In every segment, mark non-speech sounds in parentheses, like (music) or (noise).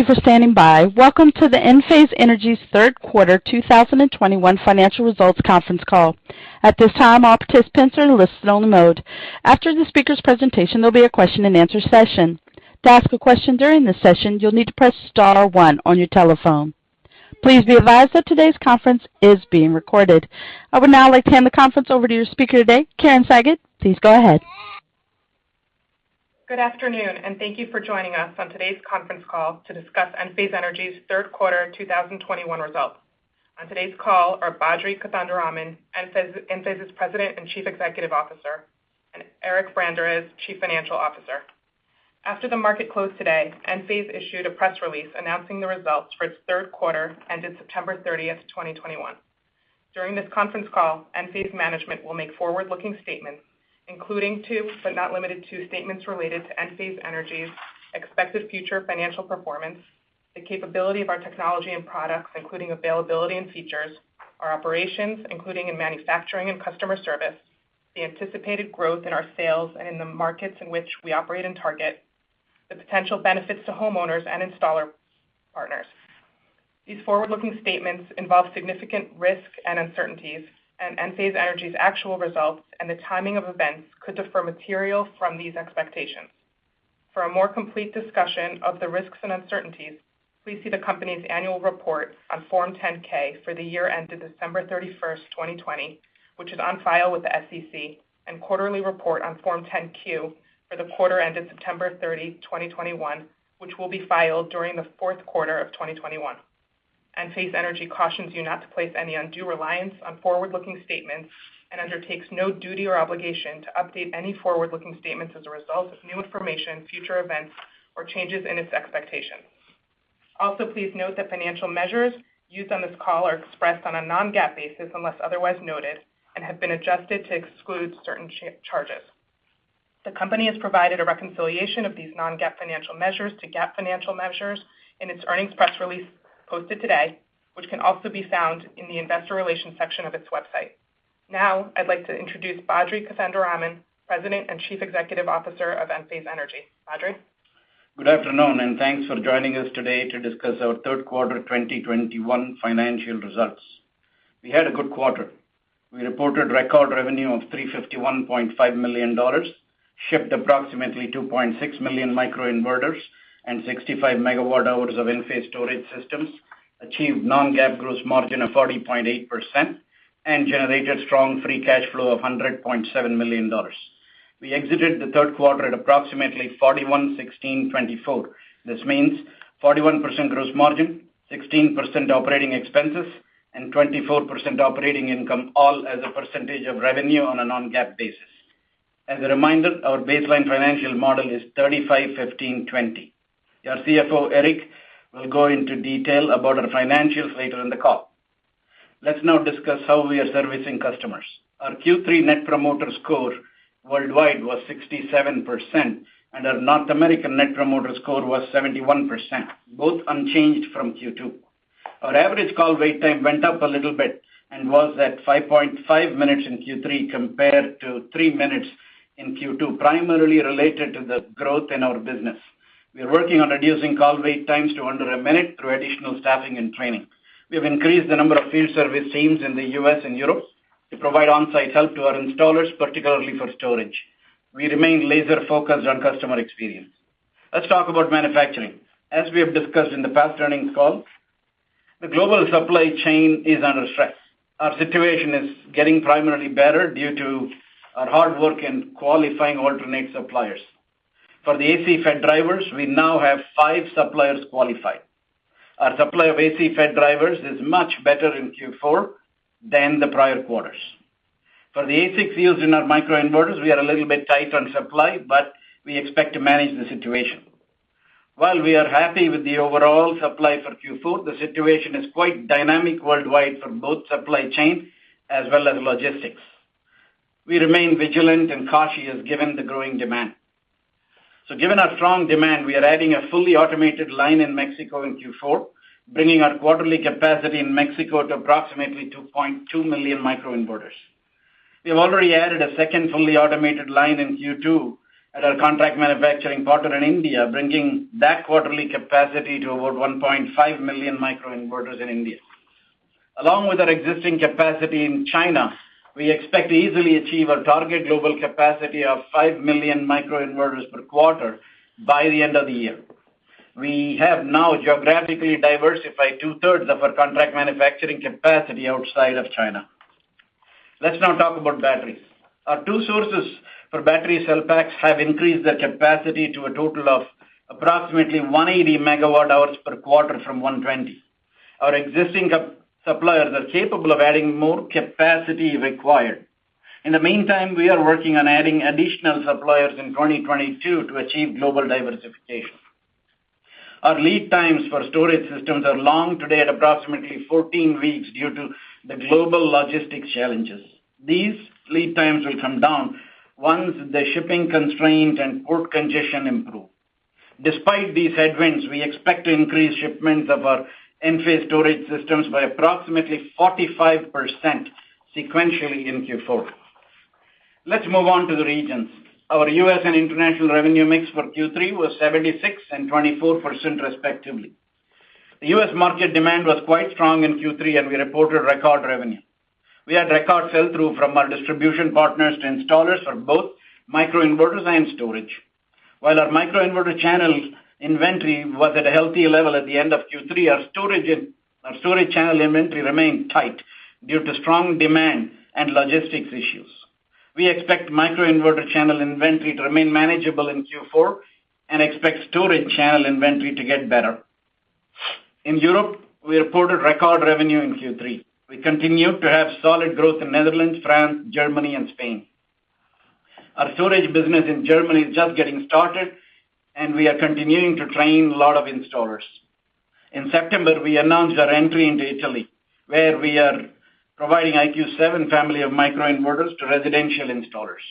Thank you for standing by. Welcome to the Enphase Energy's Q3 2021 financial results conference call. At this time, all participants are in listen only mode. After the speaker's presentation, there'll be a question and answer session. To ask a question during this session, you'll need to press star or one on your telephone. Please be advised that today's conference is being recorded. I would now like to hand the conference over to your speaker today, Karen Sagot. Please go ahead. Good afternoon, and thank you for joining us on today's conference call to discuss Enphase Energy's Q3 2021 results. On today's call are Badri Kothandaraman, Enphase Energy's President and Chief Executive Officer, and Eric Branderiz, Chief Financial Officer. After the market closed today, Enphase Energy issued a press release announcing the results for its Q3 ended September 30th, 2021. During this conference call, Enphase Energy management will make forward-looking statements, including, but not limited to, statements related to Enphase Energy's expected future financial performance, the capability of our technology and products, including availability and features, our operations, including in manufacturing and customer service, the anticipated growth in our sales and in the markets in which we operate and target, the potential benefits to homeowners and installer partners. These forward-looking statements involve significant risks and uncertainties, and Enphase Energy's actual results and the timing of events could differ materially from these expectations. For a more complete discussion of the risks and uncertainties, please see the company's annual report on Form 10-K for the year ended December 31st, 2020, which is on file with the SEC, and quarterly report on Form 10-Q for the quarter ended September 30, 2021, which will be filed during the Q4 of 2021. Enphase Energy cautions you not to place any undue reliance on forward-looking statements and undertakes no duty or obligation to update any forward-looking statements as a result of new information, future events or changes in its expectations. Also, please note that financial measures used on this call are expressed on a non-GAAP basis unless otherwise noted and have been adjusted to exclude certain charges. The company has provided a reconciliation of these non-GAAP financial measures to GAAP financial measures in its earnings press release posted today, which can also be found in the investor relations section of its website. Now, I'd like to introduce Badri Kothandaraman, President and Chief Executive Officer of Enphase Energy. Badri. Good afternoon, and thanks for joining us today to discuss our Q3 2021 financial results. We had a good quarter. We reported record revenue of $351.5 million, shipped approximately 2.6 million microinverters and 65 MWh of Enphase storage systems, achieved non-GAAP gross margin of 40.8%, and generated strong free cash flow of $100.7 million. We exited the Q3 at approximately 41/16/24. This means 41% gross margin, 16% operating expenses, and 24% operating income, all as a percentage of revenue on a non-GAAP basis. As a reminder, our baseline financial model is 35/15/20. Your CFO, Eric Branderiz, will go into detail about our financials later in the call. Let's now discuss how we are servicing customers. Our Q3 Net Promoter Score worldwide was 67%, and our North American Net Promoter Score was 71%, both unchanged from Q2. Our average call wait time went up a little bit and was at 5.5 minutes in Q3 compared to three minutes in Q2, primarily related to the growth in our business. We are working on reducing call wait times to under a minute through additional staffing and training. We have increased the number of field service teams in the U.S. and Europe to provide on-site help to our installers, particularly for storage. We remain laser focused on customer experience. Let's talk about manufacturing. As we have discussed in the past earnings calls, the global supply chain is under stress. Our situation is getting primarily better due to our hard work in qualifying alternate suppliers. For the AC FET drivers, we now have five suppliers qualified. Our supply of AC FET drivers is much better in Q4 than the prior quarters. For the AC FETs in our microinverters, we are a little bit tight on supply, but we expect to manage the situation. While we are happy with the overall supply for Q4, the situation is quite dynamic worldwide for both supply chain as well as logistics. We remain vigilant and cautious given the growing demand. Given our strong demand, we are adding a fully automated line in Mexico in Q4, bringing our quarterly capacity in Mexico to approximately 2.2 million microinverters. We have already added a second fully automated line in Q2 at our contract manufacturing partner in India, bringing that quarterly capacity to over 1.5 million microinverters in India. Along with our existing capacity in China, we expect to easily achieve our target global capacity of 5 million microinverters per quarter by the end of the year. We have now geographically diversified 2/3 of our contract manufacturing capacity outside of China. Let's now talk about batteries. Our two sources for battery cell packs have increased their capacity to a total of approximately 180 MWh per quarter from 120. Our existing suppliers are capable of adding more capacity if required. In the meantime, we are working on adding additional suppliers in 2022 to achieve global diversification. Our lead times for storage systems are long today at approximately 14 weeks due to the global logistics challenges. These lead times will come down once the shipping constraints and port congestion improve. Despite these headwinds, we expect to increase shipments of our Enphase storage systems by approximately 45% sequentially in Q4. Let's move on to the regions. Our U.S. and international revenue mix for Q3 was 76% and 24% respectively. The U.S. market demand was quite strong in Q3, and we reported record revenue. We had record sell-through from our distribution partners to installers for both microinverters and storage. While our microinverter channel inventory was at a healthy level at the end of Q3, our storage channel inventory remained tight due to strong demand and logistics issues. We expect microinverter channel inventory to remain manageable in Q4 and expect storage channel inventory to get better. In Europe, we reported record revenue in Q3. We continued to have solid growth in Netherlands, France, Germany and Spain. Our storage business in Germany is just getting started, and we are continuing to train a lot of installers. In September, we announced our entry into Italy, where we are providing IQ7 family of microinverters to residential installers.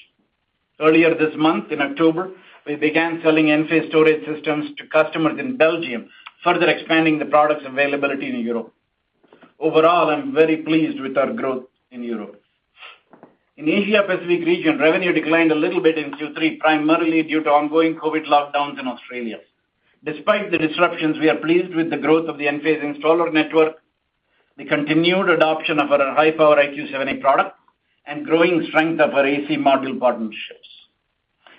Earlier this month, in October, we began selling Enphase storage systems to customers in Belgium, further expanding the product's availability in Europe. Overall, I'm very pleased with our growth in Europe. In Asia Pacific region, revenue declined a little bit in Q3, primarily due to ongoing COVID lockdowns in Australia. Despite the disruptions, we are pleased with the growth of the Enphase Installer Network, the continued adoption of our high-power IQ7A product, and growing strength of our AC module partnerships.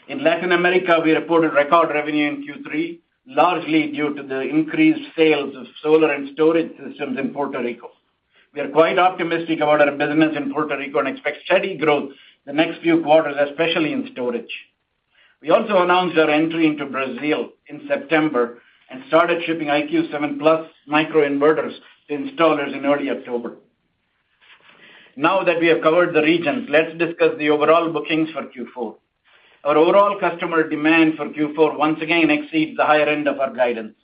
In Latin America, we reported record revenue in Q3, largely due to the increased sales of solar and storage systems in Puerto Rico. We are quite optimistic about our business in Puerto Rico and expect steady growth the next few quarters, especially in storage. We also announced our entry into Brazil in September and started shipping IQ7+ microinverters to installers in early October. Now that we have covered the regions, let's discuss the overall bookings for Q4. Our overall customer demand for Q4 once again exceeds the higher end of our guidance.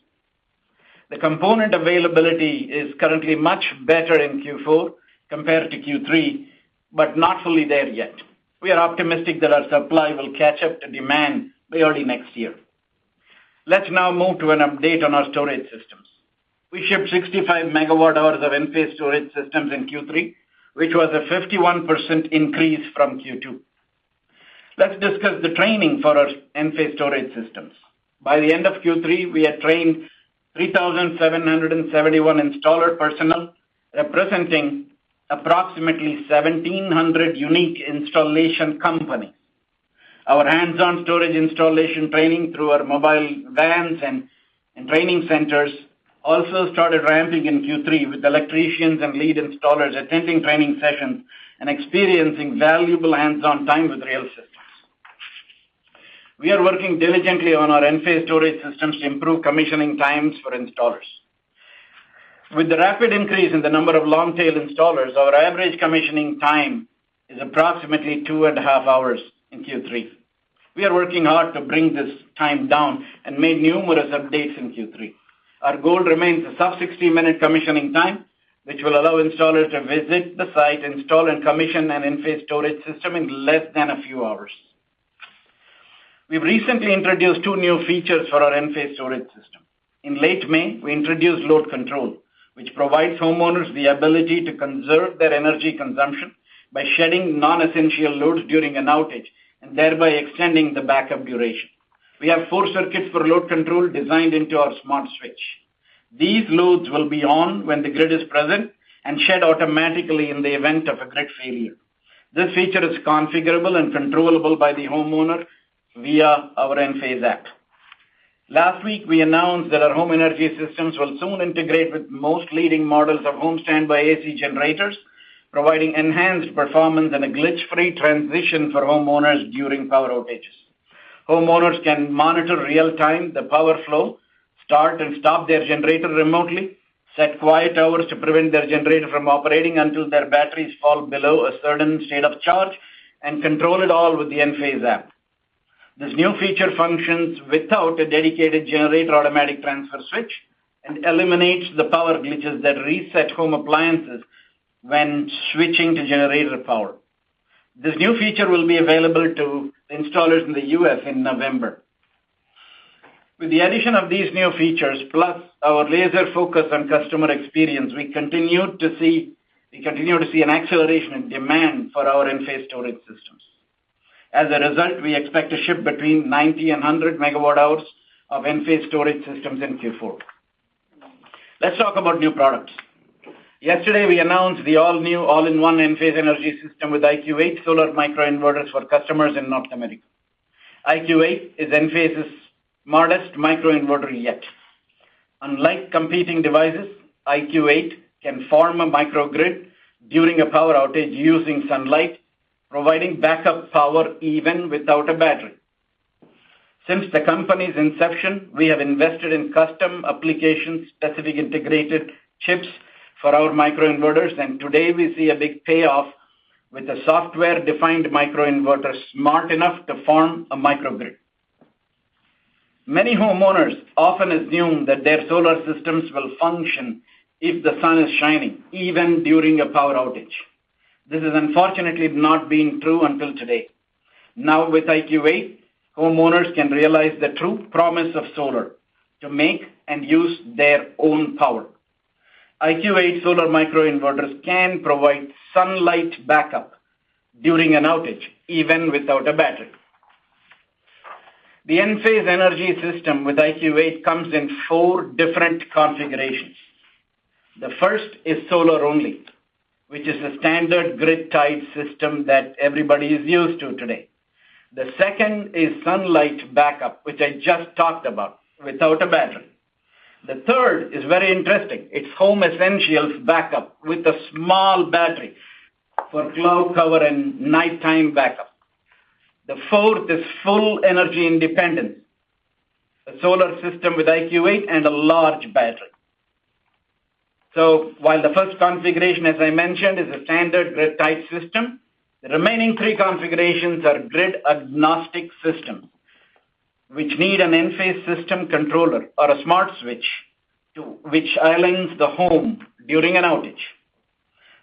The component availability is currently much better in Q4 compared to Q3, but not fully there yet. We are optimistic that our supply will catch up to demand by early next year. Let's now move to an update on our storage systems. We shipped 65 MWh of Enphase storage systems in Q3, which was a 51% increase from Q2. Let's discuss the training for our Enphase storage systems. By the end of Q3, we had trained 3,771 installer personnel, representing approximately 1,700 unique installation companies. Our hands-on storage installation training through our mobile vans and training centers also started ramping in Q3, with electricians and lead installers attending training sessions and experiencing valuable hands-on time with real systems. We are working diligently on our Enphase storage systems to improve commissioning times for installers. With the rapid increase in the number of long-tail installers, our average commissioning time is approximately 2.5 hours in Q3. We are working hard to bring this time down and made numerous updates in Q3. Our goal remains a sub 60-minute commissioning time, which will allow installers to visit the site, install, and commission an Enphase storage system in less than a few hours. We've recently introduced two new features for our Enphase storage system. In late May, we introduced load control, which provides homeowners the ability to conserve their energy consumption by shedding non-essential loads during an outage and thereby extending the backup duration. We have four circuits for load control designed into our smart switch. These loads will be on when the grid is present and shed automatically in the event of a grid failure. This feature is configurable and controllable by the homeowner via our Enphase App. Last week, we announced that our home energy systems will soon integrate with most leading models of home standby AC generators, providing enhanced performance and a glitch-free transition for homeowners during power outages. Homeowners can monitor real-time the power flow, start and stop their generator remotely, set quiet hours to prevent their generator from operating until their batteries fall below a certain state of charge, and control it all with the Enphase App. This new feature functions without a dedicated generator automatic transfer switch and eliminates the power glitches that reset home appliances when switching to generator power. This new feature will be available to installers in the U.S. in November. With the addition of these new features, plus our laser focus on customer experience, we continue to see an acceleration in demand for our Enphase storage systems. As a result, we expect to ship between 90 MWh and 100 MWh of Enphase storage systems in Q4. Let's talk about new products. Yesterday, we announced the all-new, all-in-one Enphase Energy System with IQ8 solar microinverters for customers in North America. IQ8 is Enphase's smartest microinverter yet. Unlike competing devices, IQ8 can form a microgrid during a power outage using sunlight, providing backup power even without a battery. Since the company's inception, we have invested in custom application-specific integrated chips for our microinverters, and today we see a big payoff with a software-defined microinverter smart enough to form a microgrid. Many homeowners often assume that their solar systems will function if the sun is shining, even during a power outage. This has unfortunately not been true until today. Now, with IQ8, homeowners can realize the true promise of solar to make and use their own power. IQ8 solar microinverters can provide sunlight backup during an outage, even without a battery. The Enphase Energy System with IQ8 comes in four different configurations. The first is solar only, which is a standard grid-tied system that everybody is used to today. The second is sunlight backup, which I just talked about, without a battery. The third is very interesting. It's home essentials backup with a small battery for cloud cover and nighttime backup. The fourth is full energy independence, a solar system with IQ8 and a large battery. While the first configuration, as I mentioned, is a standard grid-tied system, the remaining three configurations are grid-agnostic systems, which need an Enphase system controller or a smart switch to island the home during an outage.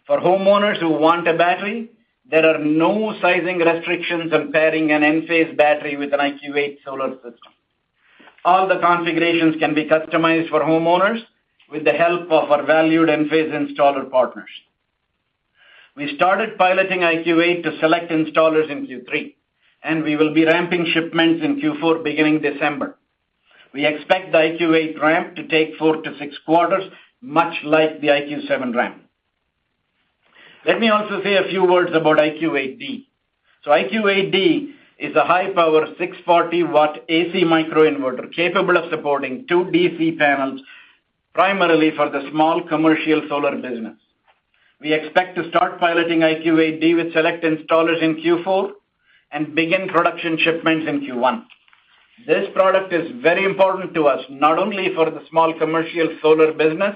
For homeowners who want a battery, there are no sizing restrictions on pairing an Enphase battery with an IQ8 solar system. All the configurations can be customized for homeowners with the help of our valued Enphase installer partners. We started piloting IQ8 to select installers in Q3, and we will be ramping shipments in Q4 beginning December. We expect the IQ8 ramp to take four to six quarters, much like the IQ7 ramp. Let me also say a few words about IQ8D. IQ8D is a high-power 640 W AC microinverter capable of supporting two DC panels, primarily for the small commercial solar business. We expect to start piloting IQ8D with select installers in Q4 and begin production shipments in Q1. This product is very important to us, not only for the small commercial solar business,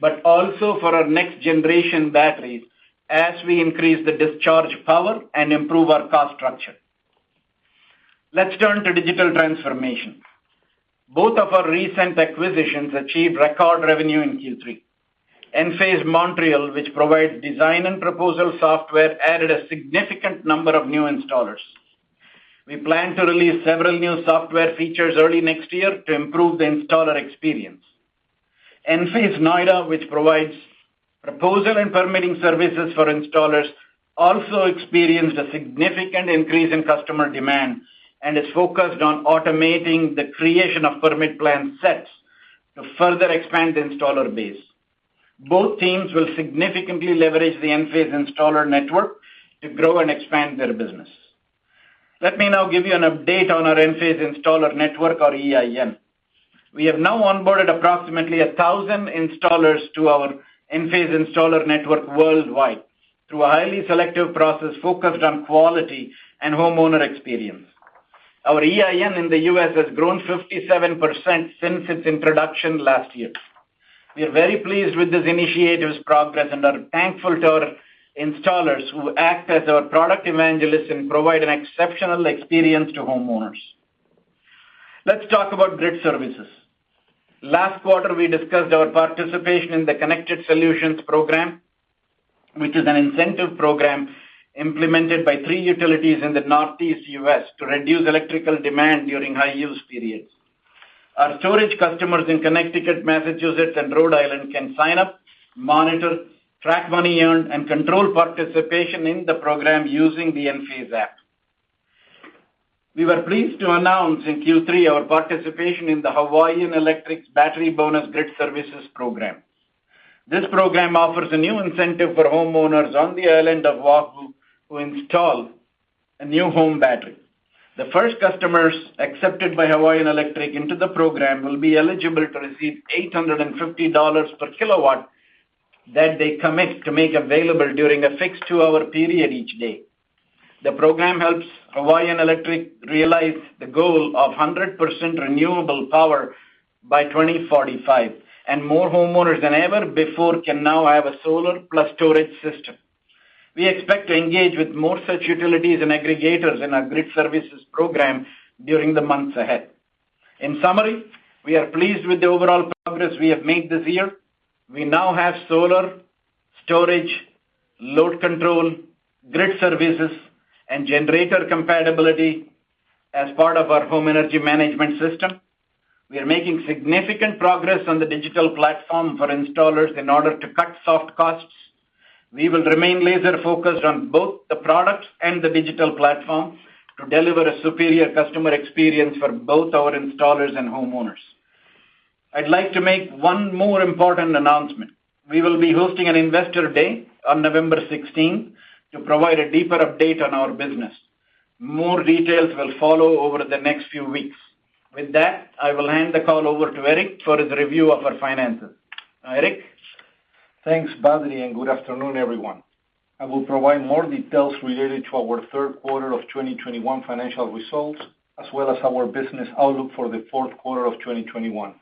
but also for our next-generation batteries as we increase the discharge power and improve our cost structure. Let's turn to digital transformation. Both of our recent acquisitions achieved record revenue in Q3. Enphase Montreal, which provides design and proposal software, added a significant number of new installers. We plan to release several new software features early next year to improve the installer experience. Enphase Noida, which provides proposal and permitting services for installers, also experienced a significant increase in customer demand and is focused on automating the creation of permit plan sets to further expand the installer base. Both teams will significantly leverage the Enphase Installer Network to grow and expand their business. Let me now give you an update on our Enphase Installer Network, or EIN. We have now onboarded approximately 1,000 installers to our Enphase Installer Network worldwide through a highly selective process focused on quality and homeowner experience. Our EIN in the U.S. has grown 57% since its introduction last year. We are very pleased with this initiative's progress and are thankful to our installers who act as our product evangelists and provide an exceptional experience to homeowners. Let's talk about grid services. Last quarter, we discussed our participation in the ConnectedSolutions program, which is an incentive program implemented by three utilities in the Northeast U.S. to reduce electrical demand during high-use periods. Our storage customers in Connecticut, Massachusetts, and Rhode Island can sign up, monitor, track money earned, and control participation in the program using the Enphase App. We were pleased to announce in Q3 our participation in the Hawaiian Electric's Battery Bonus grid services program. This program offers a new incentive for homeowners on the island of Oahu who install a new home battery. The first customers accepted by Hawaiian Electric into the program will be eligible to receive $850 per kilowatt that they commit to make available during a fixed two-hour period each day. The program helps Hawaiian Electric realize the goal of 100% renewable power by 2045, and more homeowners than ever before can now have a solar plus storage system. We expect to engage with more such utilities and aggregators in our grid services program during the months ahead. In summary, we are pleased with the overall progress we have made this year. We now have solar, storage, load control, grid services, and generator compatibility as part of our home energy management system. We are making significant progress on the digital platform for installers in order to cut soft costs. We will remain laser-focused on both the products and the digital platform to deliver a superior customer experience for both our installers and homeowners. I'd like to make one more important announcement. We will be hosting an investor day on November 16th to provide a deeper update on our business. More details will follow over the next few weeks. With that, I will hand the call over to Eric for his review of our finances. Eric? Thanks, Badri, and good afternoon, everyone. I will provide more details related to our Q3 of 2021 financial results, as well as our business outlook for the Q4 of 2021.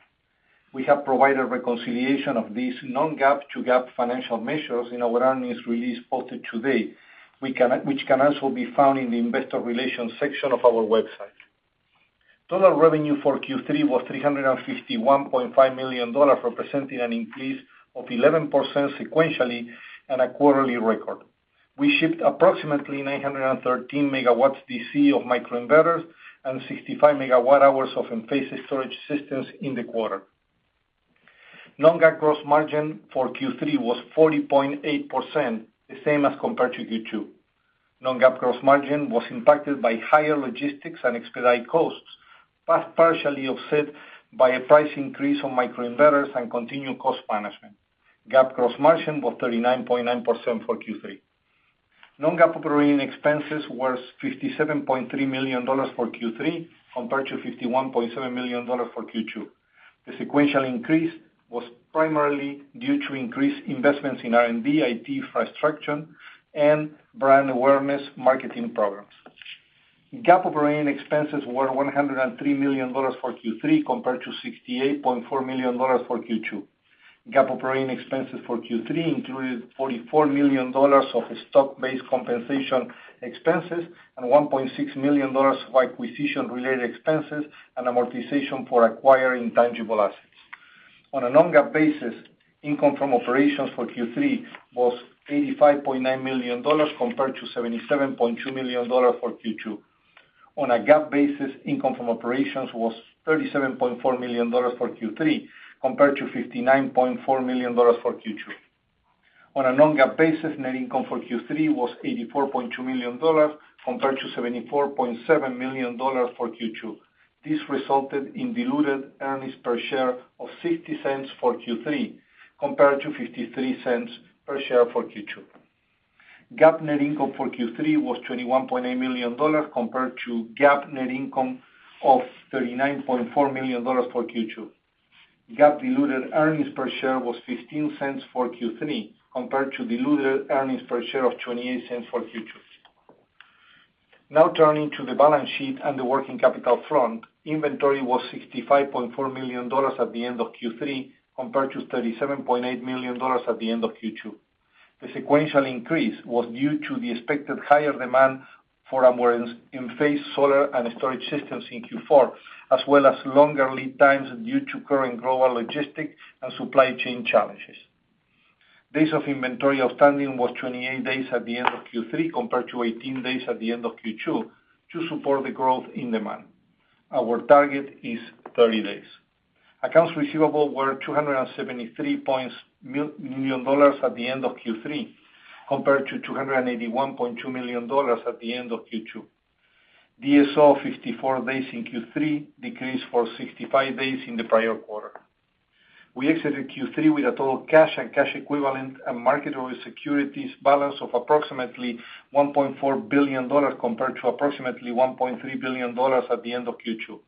We have provided reconciliation of these non-GAAP to GAAP financial measures in our earnings release posted today, which can also be found in the investor relations section of our website. Total revenue for Q3 was $351.5 million, representing an increase of 11% sequentially and a quarterly record. We shipped approximately 913 MW DC of microinverters and 65 MWh of Enphase storage systems in the quarter. Non-GAAP gross margin for Q3 was 40.8%, the same as compared to Q2. Non-GAAP gross margin was impacted by higher logistics and expedite costs, but partially offset by a price increase on microinverters and continued cost management. GAAP gross margin was 39.9% for Q3. Non-GAAP operating expenses was $57.3 million for Q3, compared to $51.7 million for Q2. The sequential increase was primarily due to increased investments in R&D, IT infrastructure, and brand awareness marketing programs. GAAP operating expenses were $103 million for Q3, compared to $68.4 million for Q2. GAAP operating expenses for Q3 included $44 million of stock-based compensation expenses and $1.6 million of acquisition-related expenses and amortization for acquiring tangible assets. On a non-GAAP basis, income from operations for Q3 was $85.9 million, compared to $77.2 million for Q2. On a GAAP basis, income from operations was $37.4 million for Q3, compared to $59.4 million for Q2. On a non-GAAP basis, net income for Q3 was $84.2 million, compared to $74.7 million for Q2. This resulted in diluted earnings per share of $0.60 for Q3, compared to $0.53 per share for Q2. GAAP net income for Q3 was $21.8 million, compared to GAAP net income of $39.4 million for Q2. GAAP diluted earnings per share was $0.15 for Q3, compared to diluted earnings per share of $0.28 for Q2. Now turning to the balance sheet and the working capital front. Inventory was $65.4 million at the end of Q3, compared to $37.8 million at the end of Q2. The sequential increase was due to the expected higher demand for our Enphase solar and storage systems in Q4, as well as longer lead times due to current global logistic and supply chain challenges. Days of inventory outstanding was 28 days at the end of Q3, compared to 18 days at the end of Q2 to support the growth in demand. Our target is 30 days. Accounts receivable were $273 million at the end of Q3, compared to $281.2 million at the end of Q2. DSO of 54 days in Q3 decreased from 65 days in the prior quarter. We exited Q3 with a total cash and cash equivalent and marketable securities balance of approximately $1.4 billion, compared to approximately $1.3 billion at the end of Q2.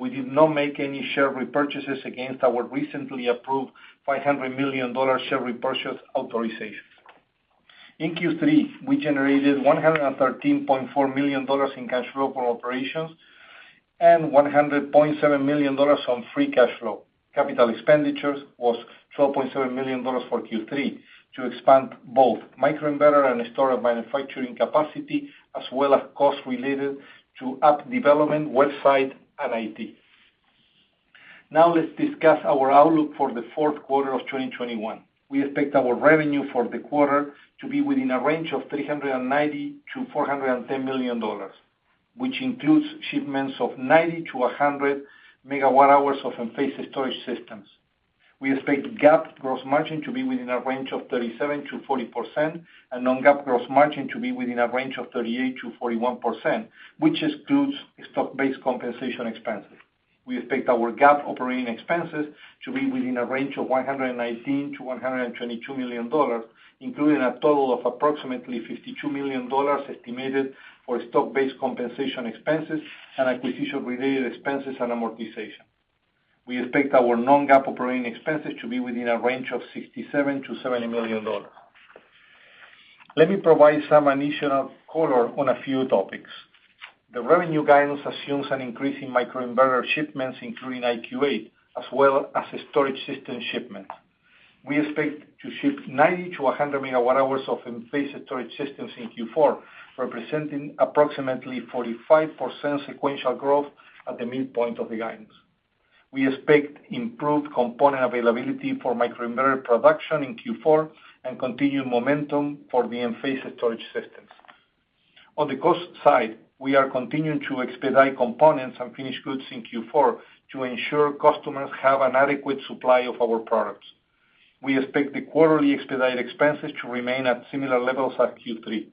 We did not make any share repurchases against our recently approved $500 million share repurchase authorization. In Q3, we generated $113.4 million in cash flow from operations and $100.7 million on free cash flow. Capital expenditures was $12.7 million for Q3 to expand both microinverter and storage manufacturing capacity, as well as costs related to app development, website, and IT. Now let's discuss our outlook for the Q4 of 2021. We expect our revenue for the quarter to be within a range of $390 million-$410 million, which includes shipments of 90 MWh-100 MWh of Enphase storage systems. We expect GAAP gross margin to be within a range of 37%-40% and non-GAAP gross margin to be within a range of 38%-41%, which excludes stock-based compensation expenses. We expect our GAAP operating expenses to be within a range of $119 million-$122 million, including a total of approximately $52 million estimated for stock-based compensation expenses and acquisition-related expenses and amortization. We expect our non-GAAP operating expenses to be within a range of $67 million-$70 million. Let me provide some additional color on a few topics. The revenue guidance assumes an increase in microinverter shipments, including IQ8, as well as storage system shipments. We expect to ship 90 MWh-100 MWh of Enphase storage systems in Q4, representing approximately 45% sequential growth at the midpoint of the guidance. We expect improved component availability for microinverter production in Q4 and continued momentum for the Enphase storage systems. On the cost side, we are continuing to expedite components and finished goods in Q4 to ensure customers have an adequate supply of our products. We expect the quarterly expedite expenses to remain at similar levels as Q3.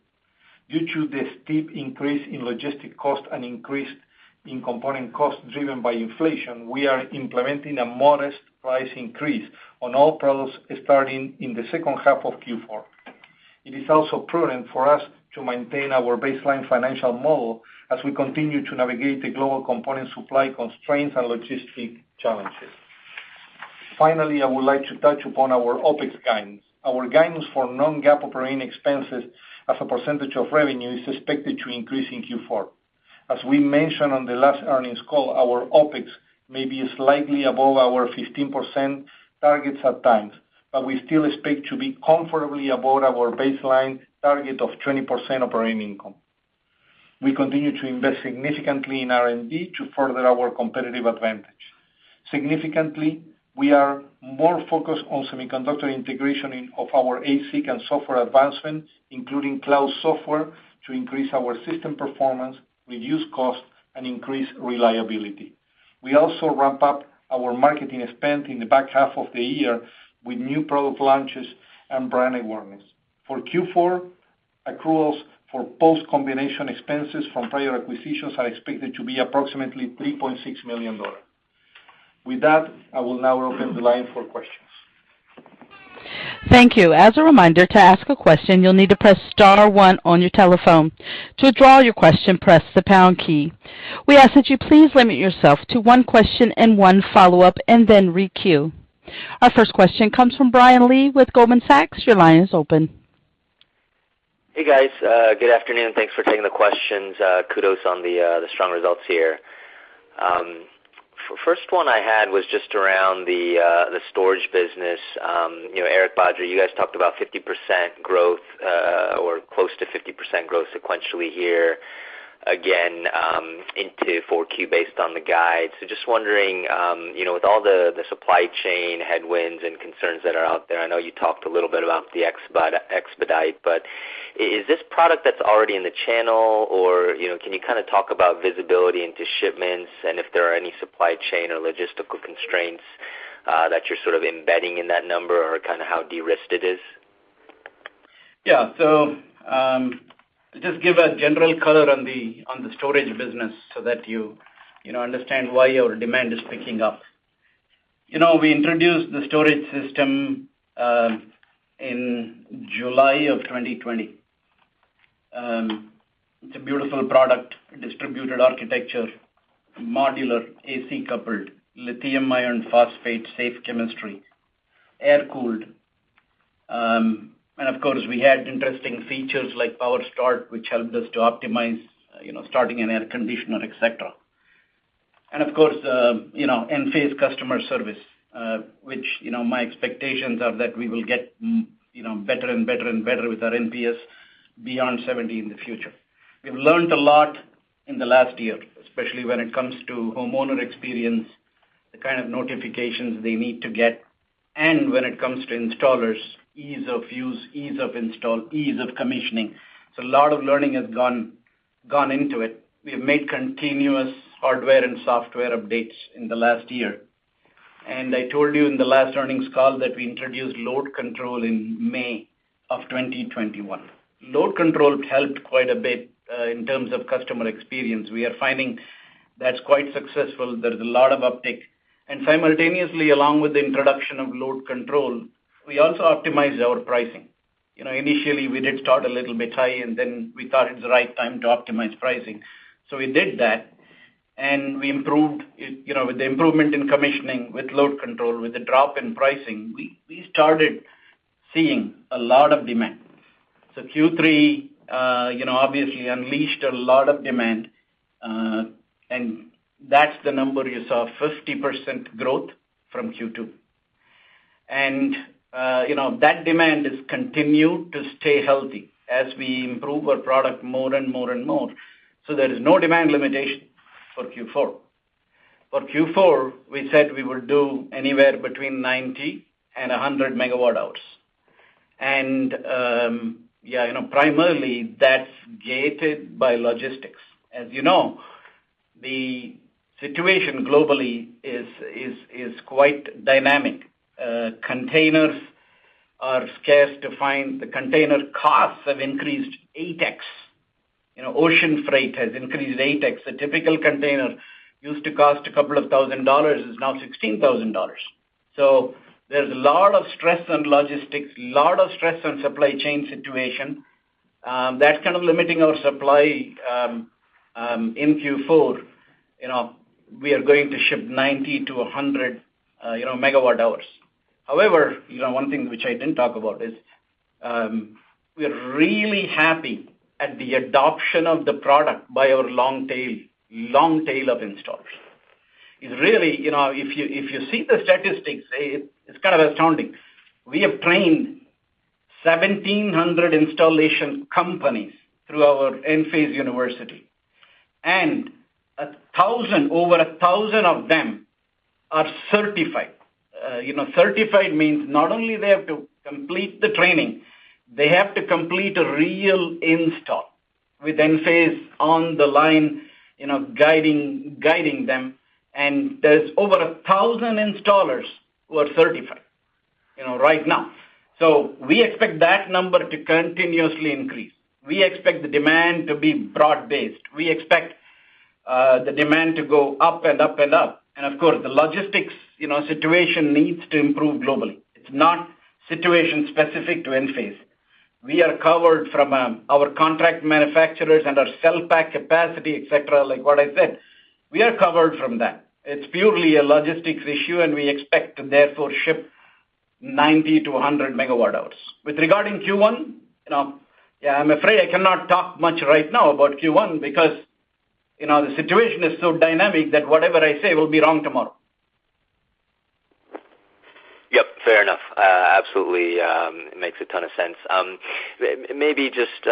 Due to the steep increase in logistic cost and increase in component cost driven by inflation, we are implementing a modest price increase on all products starting in the H2 of Q4. It is also prudent for us to maintain our baseline financial model as we continue to navigate the global component supply constraints and logistic challenges. Finally, I would like to touch upon our OpEx guidance. Our guidance for non-GAAP operating expenses as a percentage of revenue is expected to increase in Q4. As we mentioned on the last earnings call, our OpEx may be slightly above our 15% targets at times, but we still expect to be comfortably above our baseline target of 20% operating income. We continue to invest significantly in R&D to further our competitive advantage. Significantly, we are more focused on semiconductor integration into our ASIC and software advancement, including cloud software, to increase our system performance, reduce cost, and increase reliability. We also ramp up our marketing spend in the back half of the year with new product launches and brand awareness. For Q4, accruals for post-combination expenses from prior acquisitions are expected to be approximately $3.6 million. With that, I will now open the line for questions. Thank you. As a reminder, to ask a question, you'll need to press star one on your telephone. To withdraw your question, press the pound key. We ask that you please limit yourself to one question and one follow-up, and then re-queue. Our first question comes from Brian Lee with Goldman Sachs. Your line is open. Hey, guys. Good afternoon. Thanks for taking the questions. Kudos on the strong results here. First one I had was just around the storage business. You know, Eric Branderiz, you guys talked about 50% growth or close to 50% growth sequentially here, again, into Q4 based on the guide. Just wondering, you know, with all the supply chain headwinds and concerns that are out there, I know you talked a little bit about the expedite, but is this product that's already in the channel or, you know, can you kinda talk about visibility into shipments and if there are any supply chain or logistical constraints that you're sort of embedding in that number or kinda how de-risked it is? Yeah. Just give a general color on the storage business so that you know understand why our demand is picking up. You know, we introduced the storage system in July of 2020. It's a beautiful product, distributed architecture, modular AC coupled, lithium iron phosphate safe chemistry, air-cooled. And of course, we had interesting features like PowerStart, which helped us to optimize, you know, starting an air conditioner, et cetera. Of course, you know, Enphase customer service, which, you know, my expectations are that we will get, you know, better and better and better with our NPS beyond 70 in the future. We've learned a lot in the last year, especially when it comes to homeowner experience, the kind of notifications they need to get, and when it comes to installers, ease of use, ease of install, ease of commissioning. A lot of learning has gone into it. We have made continuous hardware and software updates in the last year. I told you in the last earnings call that we introduced load control in May 2021. Load control helped quite a bit in terms of customer experience. We are finding that's quite successful. There is a lot of uptake. Simultaneously, along with the introduction of load control, we also optimized our pricing. You know, initially, we did start a little bit high, and then we thought it's the right time to optimize pricing. We did that, and we improved with the improvement in commissioning, with load control, with the drop in pricing, we started seeing a lot of demand. Q3 obviously unleashed a lot of demand, and that's the number you saw, 50% growth from Q2. That demand has continued to stay healthy as we improve our product more and more and more. There is no demand limitation for Q4. For Q4, we said we will do anywhere between 90 MWh and 100 MWh. Primarily that's gated by logistics. The situation globally is quite dynamic. Containers are scarce to find. The container costs have increased 8x. Ocean freight has increased 8x. A typical container used to cost a couple thousand dollars and is now $16,000. There's a lot of stress on logistics, a lot of stress on supply chain situation, that's kind of limiting our supply in Q4. You know, we are going to ship 90-100, you know, megawatt-hours. However, you know, one thing which I didn't talk about is, we are really happy at the adoption of the product by our long tail of installers. It's really, you know, if you see the statistics, it's kind of astounding. We have trained 1,700 installation companies through our Enphase University, and over 1,000 of them are certified. You know, certified means not only they have to complete the training, they have to complete a real install with Enphase on the line, you know, guiding them. There's over 1,000 installers who are certified, you know, right now. We expect that number to continuously increase. We expect the demand to be broad-based. We expect the demand to go up and up and up. Of course, the logistics, you know, situation needs to improve globally. It's not situation specific to Enphase. We are covered from our contract manufacturers and our cell pack capacity, et cetera, like what I said, we are covered from that. It's purely a logistics issue, and we expect to therefore ship 90 MWh-100 MWh. With regard to Q1, you know, yeah, I'm afraid I cannot talk much right now about Q1 because, you know, the situation is so dynamic that whatever I say will be wrong tomorrow. Absolutely, makes a ton of sense. Maybe just,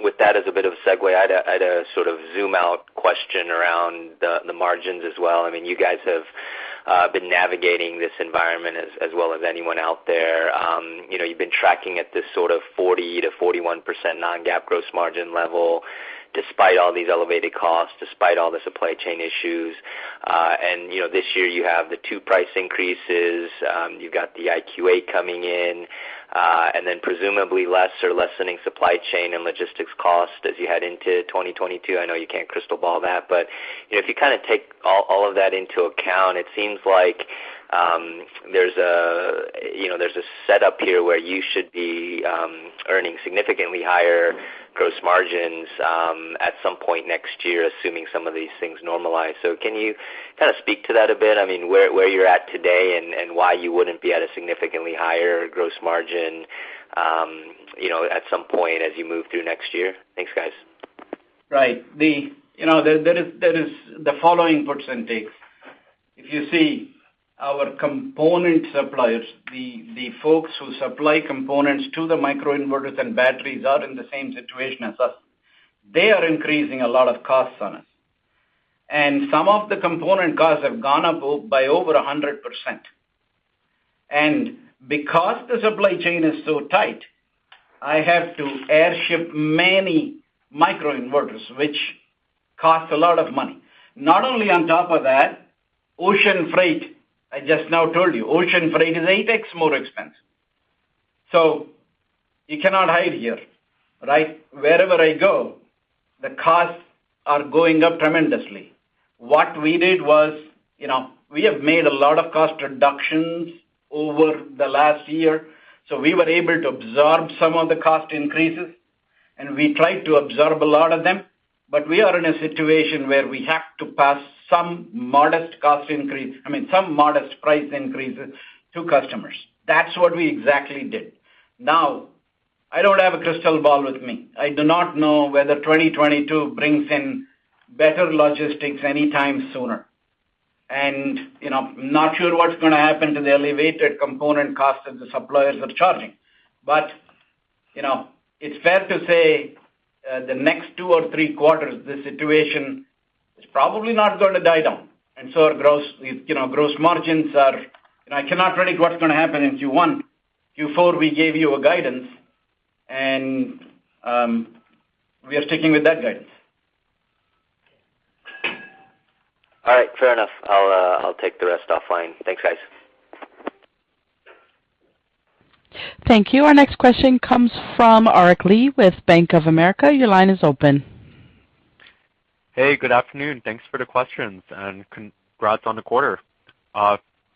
with that as a bit of a segue, I had a sort of zoom out question around the margins as well. I mean, you guys have been navigating this environment as well as anyone out there. You know, you've been tracking at this sort of 40%-41% non-GAAP gross margin level despite all these elevated costs, despite all the supply chain issues. You know, this year you have the two price increases, you've got the IQ8 coming in, and then presumably less or lessening supply chain and logistics costs as you head into 2022. I know you can't crystal ball that. You know, if you kinda take all of that into account, it seems like there's a setup here where you should be earning significantly higher gross margins at some point next year, assuming some of these things normalize. Can you kinda speak to that a bit? I mean, where you're at today and why you wouldn't be at a significantly higher gross margin, you know, at some point as you move through next year? Thanks, guys. Right. You know, there is the following percentage. If you see our component suppliers, the folks who supply components to the microinverters and batteries are in the same situation as us. They are increasing a lot of costs on us. Some of the component costs have gone up by over 100%. Because the supply chain is so tight, I have to air ship many microinverters, which costs a lot of money. Not only on top of that, ocean freight, I just now told you, ocean freight is 8x more expensive. You cannot hide here, right? Wherever I go, the costs are going up tremendously. What we did was, you know, we have made a lot of cost reductions over the last year, so we were able to absorb some of the cost increases, and we tried to absorb a lot of them. We are in a situation where we have to pass some modest cost increase, I mean, some modest price increases to customers. That's what we exactly did. Now, I don't have a crystal ball with me. I do not know whether 2022 brings in better logistics anytime sooner. You know, not sure what's gonna happen to the elevated component cost that the suppliers are charging. You know, it's fair to say, the next two or three quarters, the situation is probably not gonna die down. Our gross margins are. I cannot predict what's gonna happen in Q1. Q4, we gave you a guidance, and we are sticking with that guidance. All right. Fair enough. I'll take the rest offline. Thanks, guys. Thank you. Our next question comes from (inaudible) with Bank of America. Your line is open. Hey, good afternoon. Thanks for the questions. Congrats on the quarter.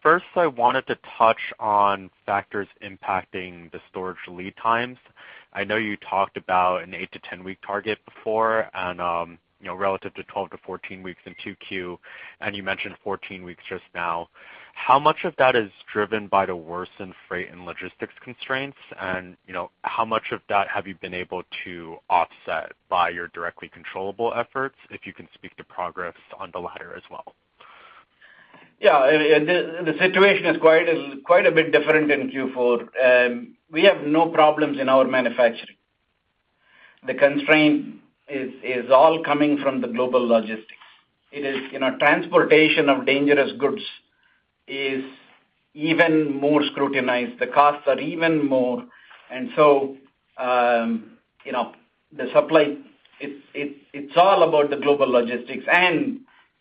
First, I wanted to touch on factors impacting the storage lead times. I know you talked about an 8-10-week target before and, relative to 12 weeks-14 weeks in Q2, and you mentioned 14 weeks just now. How much of that is driven by the worsened freight and logistics constraints? How much of that have you been able to offset by your directly controllable efforts, if you can speak to progress on the latter as well? The situation is quite a bit different in Q4. We have no problems in our manufacturing. The constraint is all coming from the global logistics. It is transportation of dangerous goods is even more scrutinized. The costs are even more. The supply, it's all about the global logistics.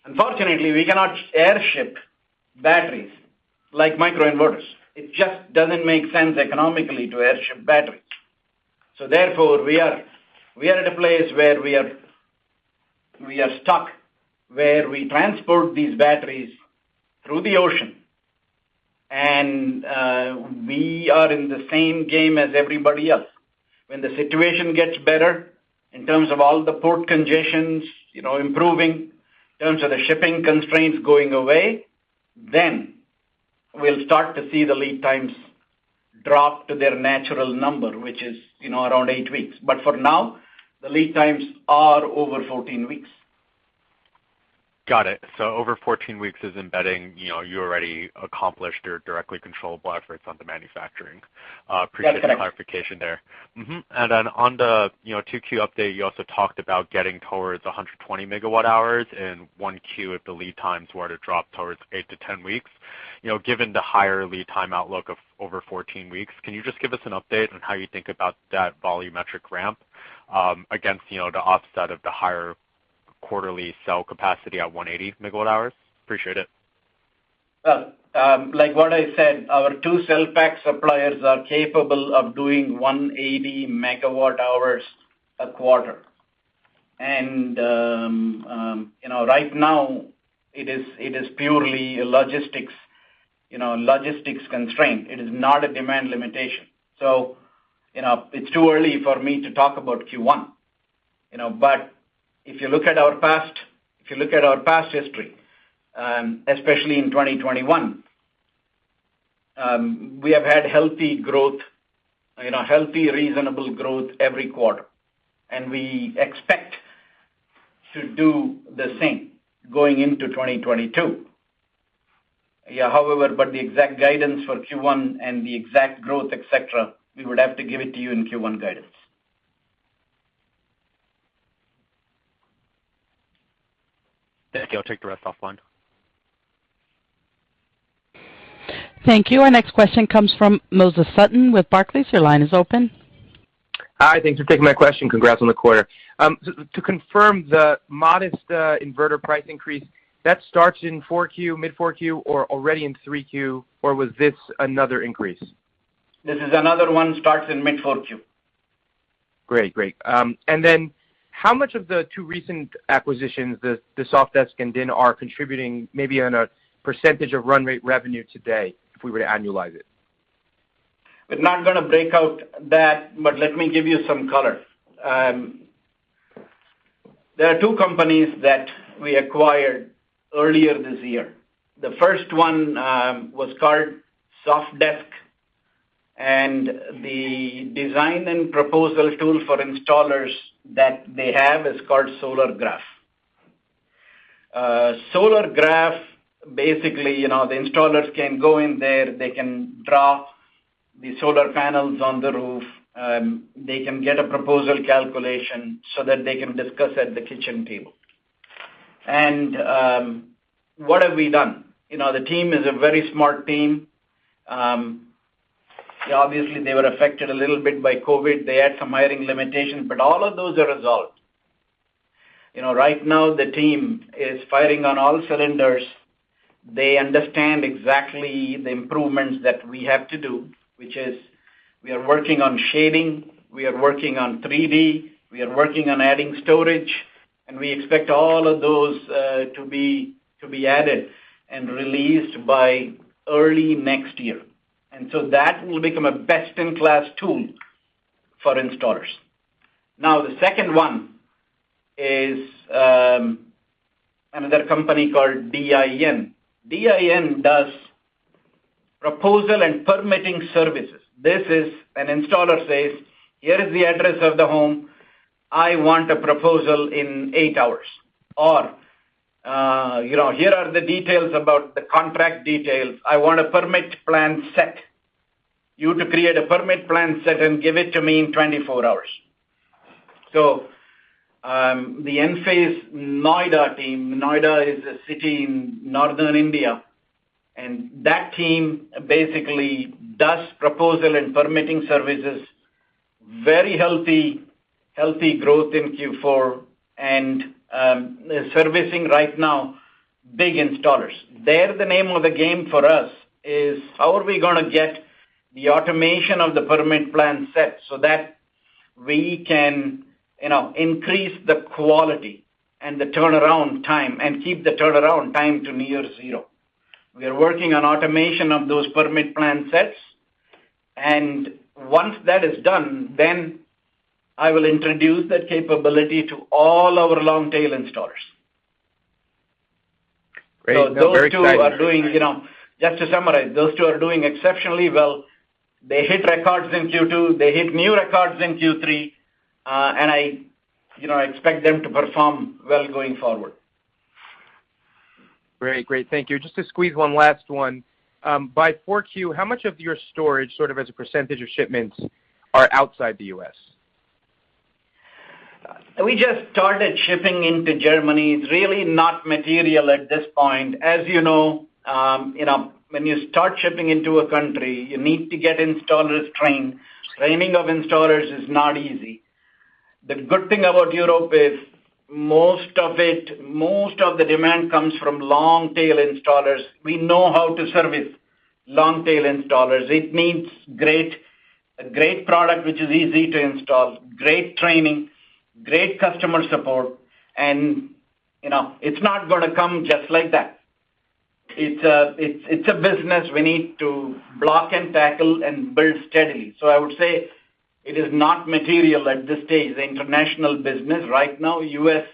Unfortunately, we cannot airship batteries like microinverters. It just doesn't make sense economically to airship batteries. Therefore, we are at a place where we are stuck, where we transport these batteries through the ocean, and we are in the same game as everybody else. When the situation gets better in terms of all the port congestions, you know, improving, in terms of the shipping constraints going away, then we'll start to see the lead times drop to their natural number, which is, you know, around eight weeks. For now, the lead times are over 14 weeks. Got it. Over 14 weeks is embedding, you know, you already accomplished your directly controllable efforts on the manufacturing. That's correct. Appreciate the clarification there. On the, you know, Q2 update, you also talked about getting towards 120 MWh in one Q if the lead times were to drop towards 8 weeks-10 weeks. You know, given the higher lead time outlook of over 14 weeks, can you just give us an update on how you think about that volumetric ramp against, you know, the offset of the higher quarterly cell capacity at 180 MWh? Appreciate it. Well, like what I said, our two cell pack suppliers are capable of doing 180 MWh a quarter. You know, right now it is purely a logistics constraint. It is not a demand limitation. You know, it's too early for me to talk about Q1. But if you look at our past history, especially in 2021, we have had healthy, reasonable growth every quarter. We expect to do the same going into 2022. However, the exact guidance for Q1 and the exact growth, et cetera, we would have to give it to you in Q1 guidance. Thank you. I'll take the rest offline. Thank you. Our next question comes from Moses Sutton with Barclays. Your line is open. Hi. Thanks for taking my question. Congrats on the quarter. To confirm the modest inverter price increase, that starts in Q4, mid Q4 or already in Q3, or was this another increase? This is another one, starts in mid-Q4. Great. How much of the two recent acquisitions, the Sofdesk and DIN, are contributing maybe on a percentage of run rate revenue today if we were to annualize it? We're not gonna break out that, but let me give you some color. There are two companies that we acquired earlier this year. The first one was called Sofdesk, and the design and proposal tool for installers that they have is called Solargraf. Solargraf, basically, you know, the installers can go in there, they can draw the solar panels on the roof, they can get a proposal calculation so that they can discuss at the kitchen table. What have we done? You know, the team is a very smart team. Obviously, they were affected a little bit by COVID. They had some hiring limitations, but all of those are resolved. You know, right now the team is firing on all cylinders. They understand exactly the improvements that we have to do, which is we are working on shading, we are working on 3D, we are working on adding storage, and we expect all of those to be added and released by early next year. That will become a best-in-class tool for installers. Now, the second one is another company called DIN. DIN does proposal and permitting services. This is an installer says, "Here is the address of the home. I want a proposal in eight hours." Or, "Here are the details about the contract details. I want a permit plan set. You have to create a permit plan set and give it to me in 24 hours." The Enphase Noida team, Noida is a city in Northern India, and that team basically does proposal and permitting services, very healthy growth in Q4 and servicing right now big installers. The name of the game for us is how are we gonna get the automation of the permit plan set so that we can, you know, increase the quality and the turnaround time and keep the turnaround time to near zero. We are working on automation of those permit plan sets. Once that is done, then I will introduce that capability to all our long-tail installers. Great. No, very exciting. Those two are doing, you know, just to summarize, those two are doing exceptionally well. They hit records in Q2, they hit new records in Q3, and I, you know, expect them to perform well going forward. Very great. Thank you. Just to squeeze one last one. By 4Q, how much of your storage, sort of as a percentage of shipments, are outside the U.S.? We just started shipping into Germany. It's really not material at this point. As you know, you know, when you start shipping into a country, you need to get installers trained. Training of installers is not easy. The good thing about Europe is most of it, most of the demand comes from long-tail installers. We know how to service long-tail installers. It needs a great product, which is easy to install, great training, great customer support, and, you know, it's not gonna come just like that. It's a business we need to block and tackle and build steadily. I would say it is not material at this stage, the international business. Right now, the U.S.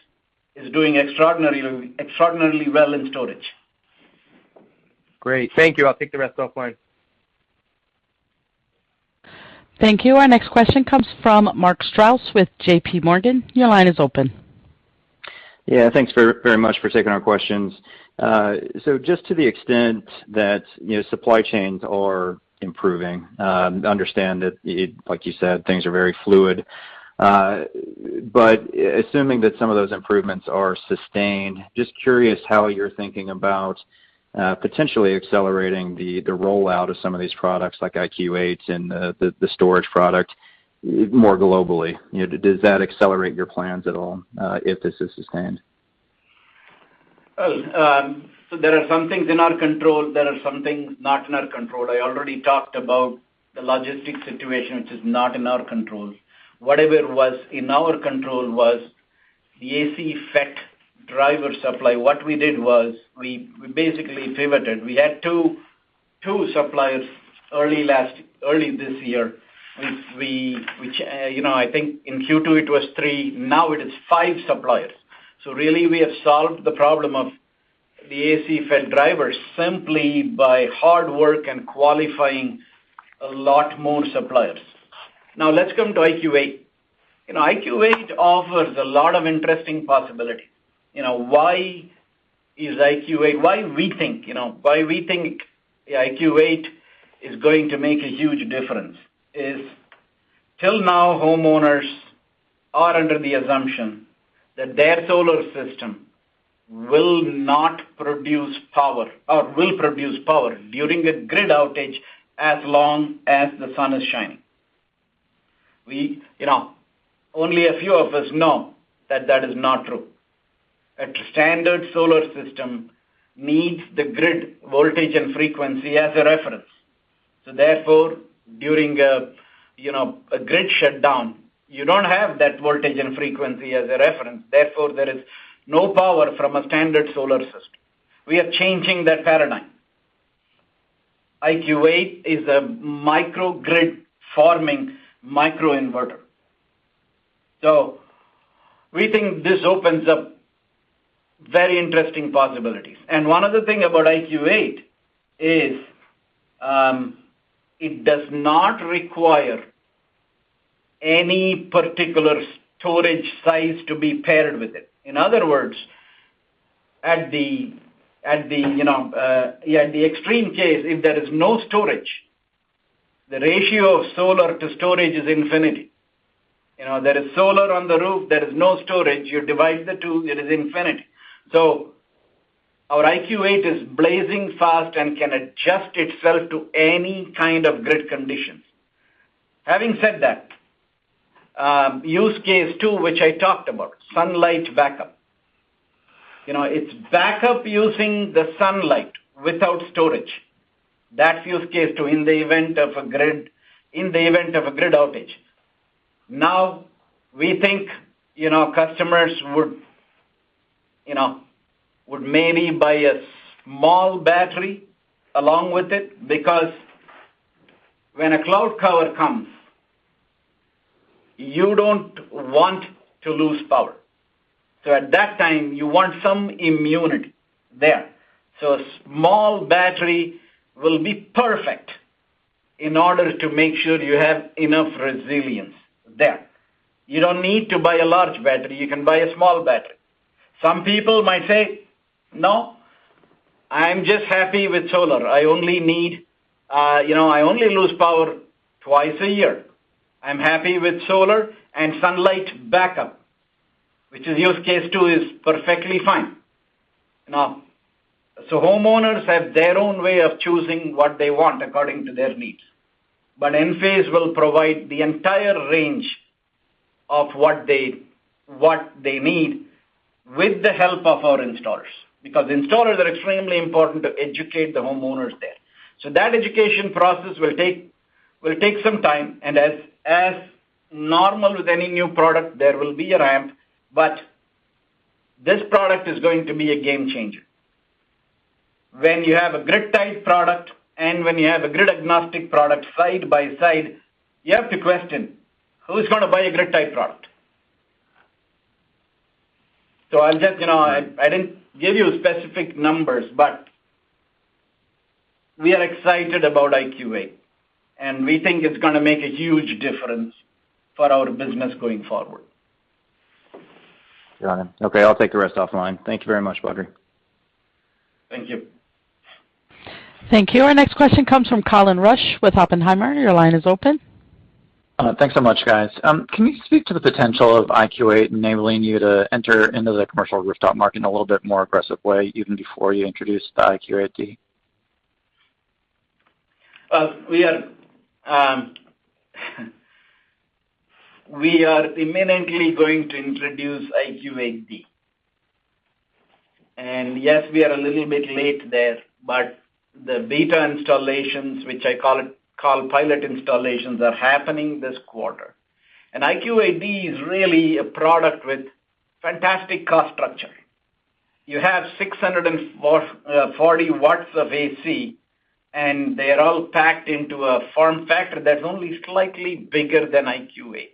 is doing extraordinarily well in storage. Great. Thank you. I'll take the rest offline. Thank you. Our next question comes from Mark Strouse with JPMorgan. Your line is open. Yeah. Thanks very, very much for taking our questions. Just to the extent that, you know, supply chains are improving, understand that like you said, things are very fluid. Assuming that some of those improvements are sustained, just curious how you're thinking about potentially accelerating the rollout of some of these products like IQ8 and the storage product more globally. You know, does that accelerate your plans at all, if this is sustained? Well, there are some things in our control, there are some things not in our control. I already talked about the logistics situation, which is not in our control. Whatever was in our control was the AC FET driver supply. What we did was we basically pivoted. We had two suppliers early this year, which you know, I think in Q2 it was three, now it is five suppliers. Really we have solved the problem of the AC FET drivers simply by hard work and qualifying a lot more suppliers. Now let's come to IQ8. You know, IQ8 offers a lot of interesting possibility. You know, why we think the IQ8 is going to make a huge difference is till now homeowners are under the assumption that their solar system will not produce power or will produce power during a grid outage as long as the sun is shining. We, you know, only a few of us know that that is not true. A standard solar system needs the grid voltage and frequency as a reference. Therefore, during a, you know, grid shutdown, you don't have that voltage and frequency as a reference. Therefore, there is no power from a standard solar system. We are changing that paradigm. IQ8 is a microgrid-forming microinverter. We think this opens up very interesting possibilities. One other thing about IQ8 is, it does not require any particular storage size to be paired with it. In other words, at the extreme case, if there is no storage, the ratio of solar to storage is infinity. You know, there is solar on the roof, there is no storage. You divide the two, it is infinity. So our IQ8 is blazing fast and can adjust itself to any kind of grid conditions. Having said that, use case two, which I talked about, sunlight backup. You know, it's backup using the sunlight without storage. That's use case two in the event of a grid outage. Now, we think, you know, customers would, you know, maybe buy a small battery along with it, because when a cloud cover comes, you don't want to lose power. At that time you want some immunity there. A small battery will be perfect in order to make sure you have enough resilience there. You don't need to buy a large battery, you can buy a small battery. Some people might say, "No, I'm just happy with solar. I only need, you know, I only lose power twice a year. I'm happy with solar and sunlight backup," which is use case two is perfectly fine. Now, homeowners have their own way of choosing what they want according to their needs. Enphase will provide the entire range of what they need with the help of our installers, because installers are extremely important to educate the homeowners there. That education process will take some time. As normal with any new product, there will be a ramp, but this product is going to be a game changer. When you have a grid-tied product and when you have a grid-agnostic product side by side, you have to question, who's gonna buy a grid-tied product? I'll just, you know, I didn't give you specific numbers, but we are excited about IQ8, and we think it's gonna make a huge difference for our business going forward. Got it. Okay, I'll take the rest offline. Thank you very much, Badri. Thank you. Thank you. Our next question comes from Colin Rusch with Oppenheimer. Your line is open. Thanks so much, guys. Can you speak to the potential of IQ8 enabling you to enter into the commercial rooftop market in a little bit more aggressive way even before you introduce the IQ8D? We are imminently going to introduce IQ8D. Yes, we are a little bit late there, but the beta installations, which I call pilot installations, are happening this quarter. IQ8D is really a product with fantastic cost structure. You have 640 W of AC, and they are all packed into a form factor that's only slightly bigger than IQ8.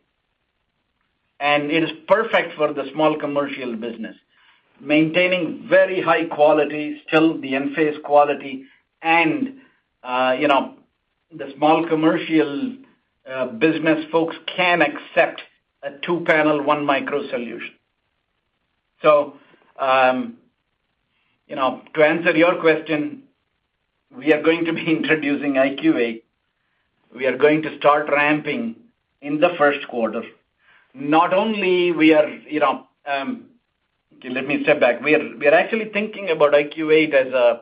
It is perfect for the small commercial business, maintaining very high quality, still the Enphase quality, and you know, the small commercial business folks can accept a two-panel, one micro solution. You know, to answer your question, we are going to be introducing IQ8. We are going to start ramping in the Q1. Not only we are, you know, let me step back. We are actually thinking about IQ8 as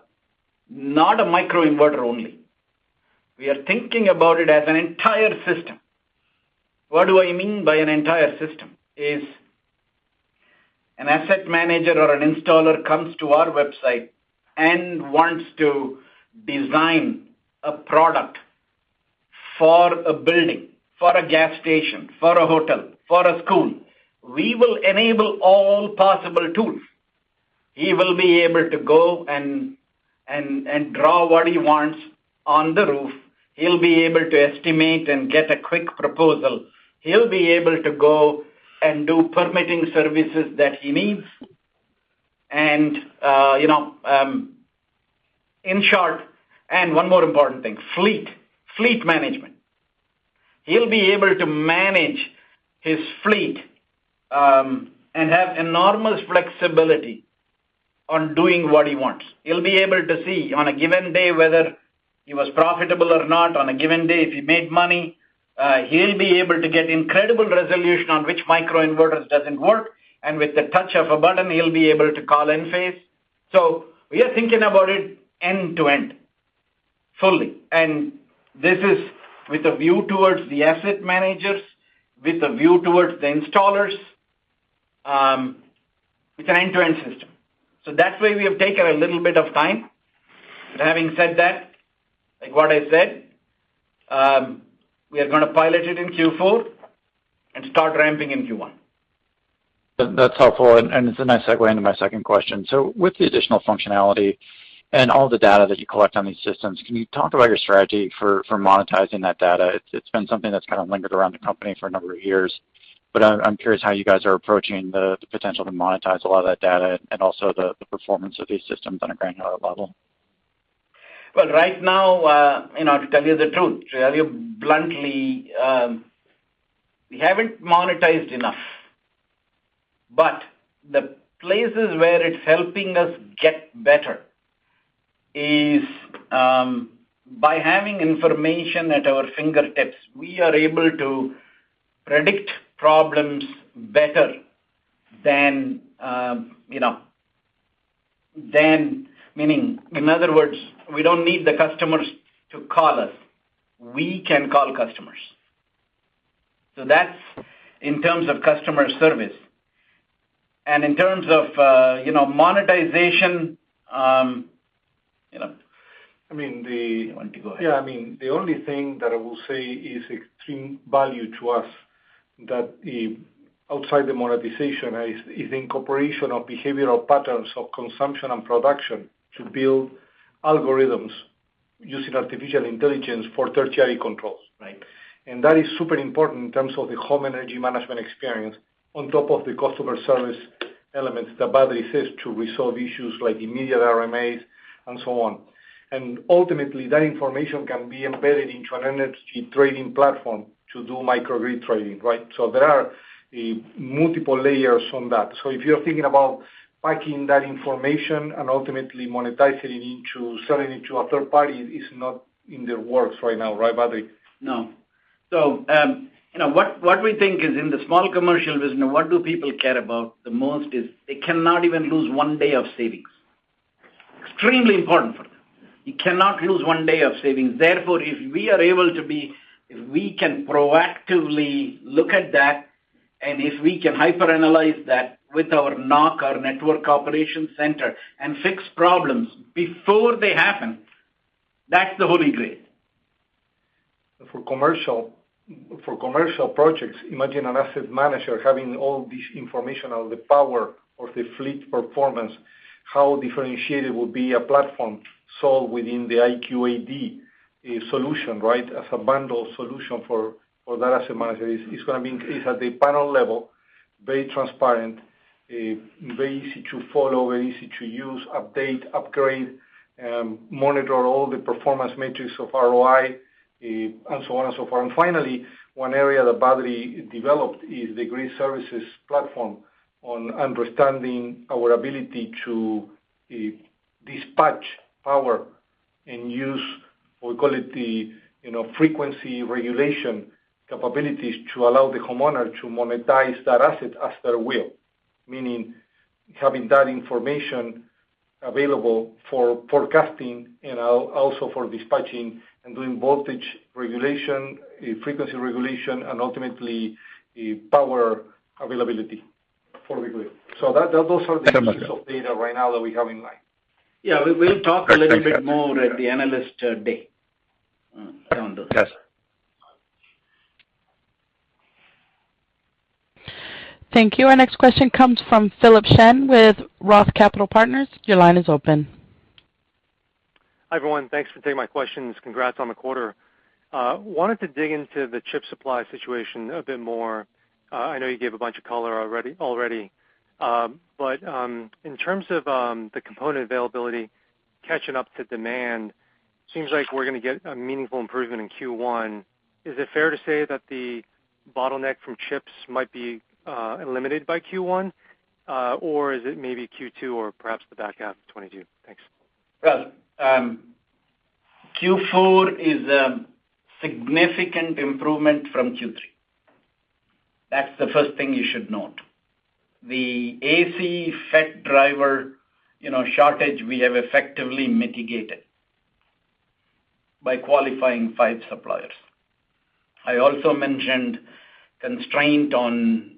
not a microinverter only. We are thinking about it as an entire system. What do I mean by an entire system? If an asset manager or an installer comes to our website and wants to design a product for a building, for a gas station, for a hotel, for a school. We will enable all possible tools. He will be able to go and draw what he wants on the roof. He'll be able to estimate and get a quick proposal. He'll be able to go and do permitting services that he needs. You know, in short, one more important thing, fleet management. He'll be able to manage his fleet and have enormous flexibility on doing what he wants. He'll be able to see on a given day whether he was profitable or not on a given day, if he made money. He'll be able to get incredible resolution on which microinverters doesn't work, and with the touch of a button, he'll be able to call Enphase. We are thinking about it end-to-end, fully. This is with a view towards the asset managers, with a view towards the installers, it's an end-to-end system. That's why we have taken a little bit of time. Having said that, like what I said, we are gonna pilot it in Q4 and start ramping in Q1. That's helpful, and it's a nice segue into my second question. With the additional functionality and all the data that you collect on these systems, can you talk about your strategy for monetizing that data? It's been something that's kind of lingered around the company for a number of years. I'm curious how you guys are approaching the potential to monetize a lot of that data and also the performance of these systems on a granular level. Well, right now, you know, to tell you the truth, to tell you bluntly, we haven't monetized enough. The places where it's helping us get better is by having information at our fingertips, we are able to predict problems better than you know. Meaning in other words, we don't need the customers to call us. We can call customers. That's in terms of customer service. In terms of, you know, monetization, you know. I mean. You want to go ahead. Yeah. I mean, the only thing that I will say is extreme value to us that outside the monetization is incorporation of behavioral patterns of consumption and production to build algorithms using artificial intelligence for tertiary controls, right? That is super important in terms of the home energy management experience on top of the customer service elements that Badri says to resolve issues like immediate RMAs and so on. Ultimately, that information can be embedded into an energy trading platform to do microgrid trading, right? There are multiple layers from that. If you're thinking about packing that information and ultimately monetizing it into selling it to a third party, it's not in the works right now, right, Badri? No. You know, what we think is in the small commercial business, what do people care about the most is they cannot even lose one day of savings. Extremely important for them. You cannot lose one day of savings. Therefore, if we can proactively look at that, and if we can hyper analyze that with our NOC, our Network Operations Center, and fix problems before they happen, that's the holy grail. For commercial projects, imagine an asset manager having all this information of the power of the fleet performance, how differentiated will be a platform sold within the IQ8D solution, right? As a bundle solution for that asset manager. It's gonna be at the panel level, very transparent, very easy to follow, very easy to use, update, upgrade, monitor all the performance metrics of ROI, and so on and so forth. Finally, one area that Badri developed is the grid services platform on understanding our ability to dispatch power and use, we call it the frequency regulation capabilities to allow the homeowner to monetize that asset as they will. Meaning, having that information available for forecasting and also for dispatching and doing voltage regulation, frequency regulation, and ultimately, power availability for the grid. Those are the pieces of data right now that we have in line. Yeah. We'll talk a little bit more at the Analyst Day. (inaudible) Yes. Thank you. Our next question comes from Philip Shen with ROTH Capital Partners. Your line is open. Hi, everyone. Thanks for taking my questions. Congrats on the quarter. Wanted to dig into the chip supply situation a bit more. I know you gave a bunch of color already. But, in terms of, the component availability catching up to demand, seems like we're gonna get a meaningful improvement in Q1. Is it fair to say that the bottleneck from chips might be limited by Q1? Or is it maybe Q2 or perhaps the back half of 2022? Thanks. Well, Q4 is a significant improvement from Q3. That's the first thing you should note. The AC FET driver, you know, shortage, we have effectively mitigated by qualifying five suppliers. I also mentioned constraint on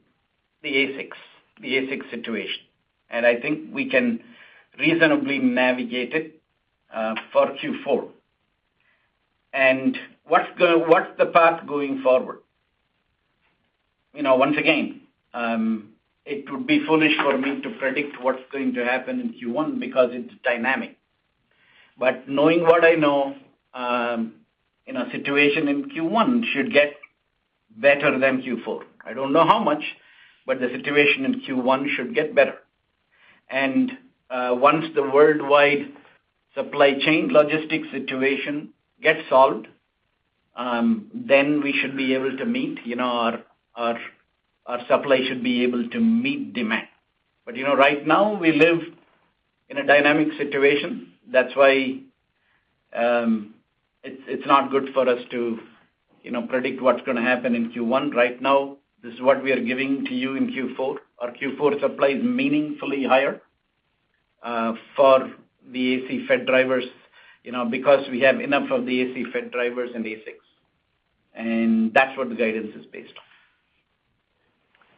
the ASICs, the ASIC situation, and I think we can reasonably navigate it for Q4. What's the path going forward? You know, once again, it would be foolish for me to predict what's going to happen in Q1 because it's dynamic. But knowing what I know, you know, situation in Q1 should get better than Q4. I don't know how much, but the situation in Q1 should get better. Once the worldwide supply chain logistics situation gets solved, then we should be able to meet, you know, our supply should be able to meet demand. You know, right now we live in a dynamic situation. That's why it's not good for us to, you know, predict what's gonna happen in Q1 right now. This is what we are giving to you in Q4. Our Q4 supply is meaningfully higher for the AC FET drivers, you know, because we have enough of the AC FET drivers in ASICs. That's what the guidance is based on.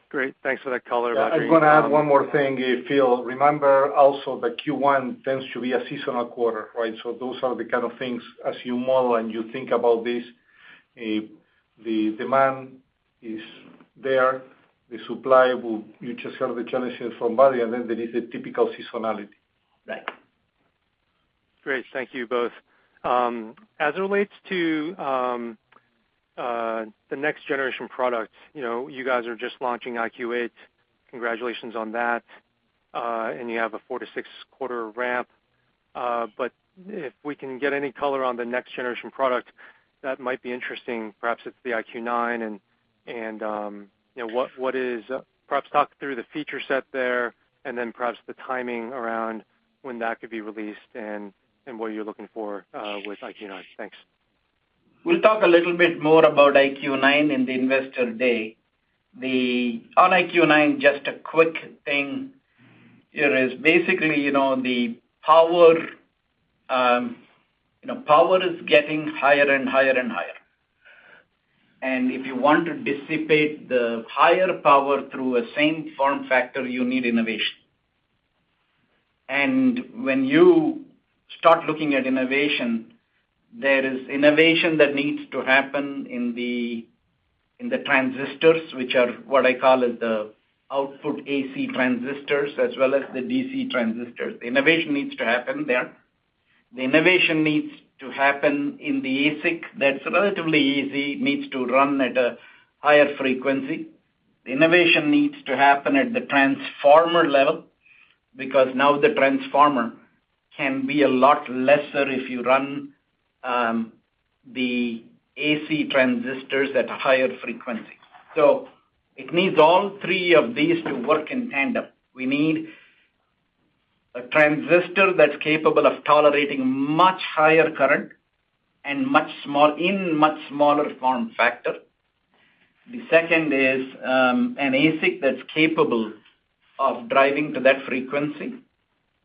Great. Thanks for that color. Yeah. I'm gonna add one more thing, Phil. Remember also that Q1 tends to be a seasonal quarter, right? Those are the kind of things as you model and you think about this, the demand is there, the supply will you just heard the challenges from Badri, and then there is a typical seasonality. Right. Great. Thank you both. As it relates to the next generation product, you know, you guys are just launching IQ8, congratulations on that. You have a four to six quarter ramp. If we can get any color on the next generation product, that might be interesting. Perhaps it's the IQ9 and you know, perhaps talk through the feature set there, and then perhaps the timing around when that could be released and what you're looking for with IQ9. Thanks. We'll talk a little bit more about IQ9 in the Investor Day. On IQ9, just a quick thing. You know, it is basically, you know, the power, you know, power is getting higher and higher and higher. If you want to dissipate the higher power through the same form factor, you need innovation. When you start looking at innovation, there is innovation that needs to happen in the transistors, which are what I call the output AC transistors as well as the DC transistors. Innovation needs to happen there. The innovation needs to happen in the ASIC that's relatively easy, needs to run at a higher frequency. Innovation needs to happen at the transformer level because now the transformer can be a lot lesser if you run the AC transistors at higher frequencies. It needs all three of these to work in tandem. We need a transistor that's capable of tolerating much higher current and much smaller form factor. The second is, an ASIC that's capable of driving to that frequency.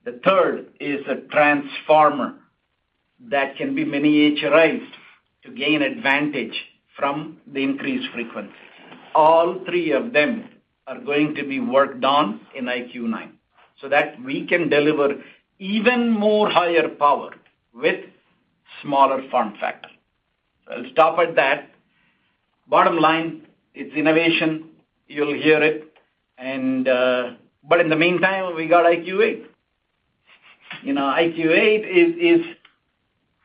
The third is a transformer that can be miniaturized to gain advantage from the increased frequency. All three of them are going to be worked on in IQ9 so that we can deliver even more higher power with smaller form factor. I'll stop at that. Bottom line, it's innovation. You'll hear it. In the meantime, we got IQ8. IQ8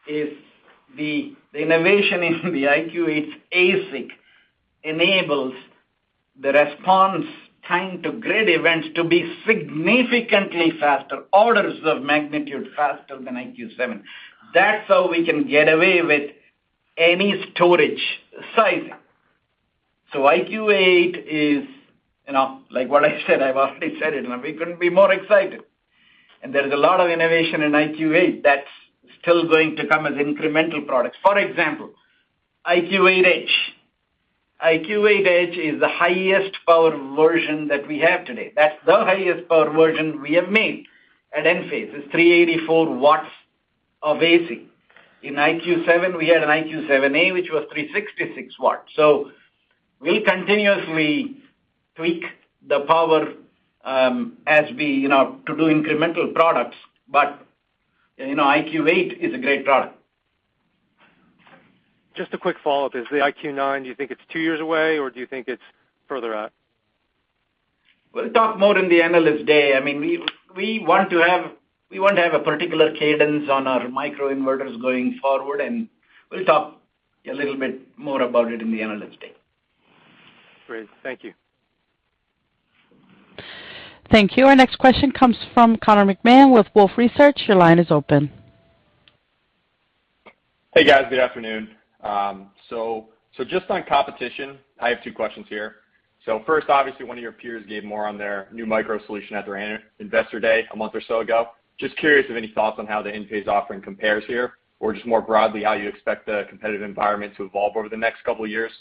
is the innovation in the IQ8's ASIC enables the response time to grid events to be significantly faster, orders of magnitude faster than IQ7. That's how we can get away with any storage sizing. IQ8 is, you know, like what I said, I've already said it, and we couldn't be more excited. There is a lot of innovation in IQ8 that's still going to come as incremental products. For example, IQ8H. IQ8H is the highest power version that we have today. That's the highest power version we have made at Enphase. It's 384 W of AC. In IQ7, we had an IQ7A which was 366 W. We continuously tweak the power, as we, you know, to do incremental products, but, you know, IQ8 is a great product. Just a quick follow-up. Is the IQ9, do you think it's two years away or do you think it's further out? We'll talk more in the Analyst Day. I mean, we want to have a particular cadence on our microinverters going forward, and we'll talk a little bit more about it in the Analyst Day. Great. Thank you. Thank you. Our next question comes from Connor McMahon with Wolfe Research. Your line is open. Hey, guys. Good afternoon. Just on competition, I have two questions here. First, obviously, one of your peers gave more on their new micro solution at their Investor Day a month or so ago. Just curious if any thoughts on how the Enphase offering compares here or just more broadly, how you expect the competitive environment to evolve over the next couple of years.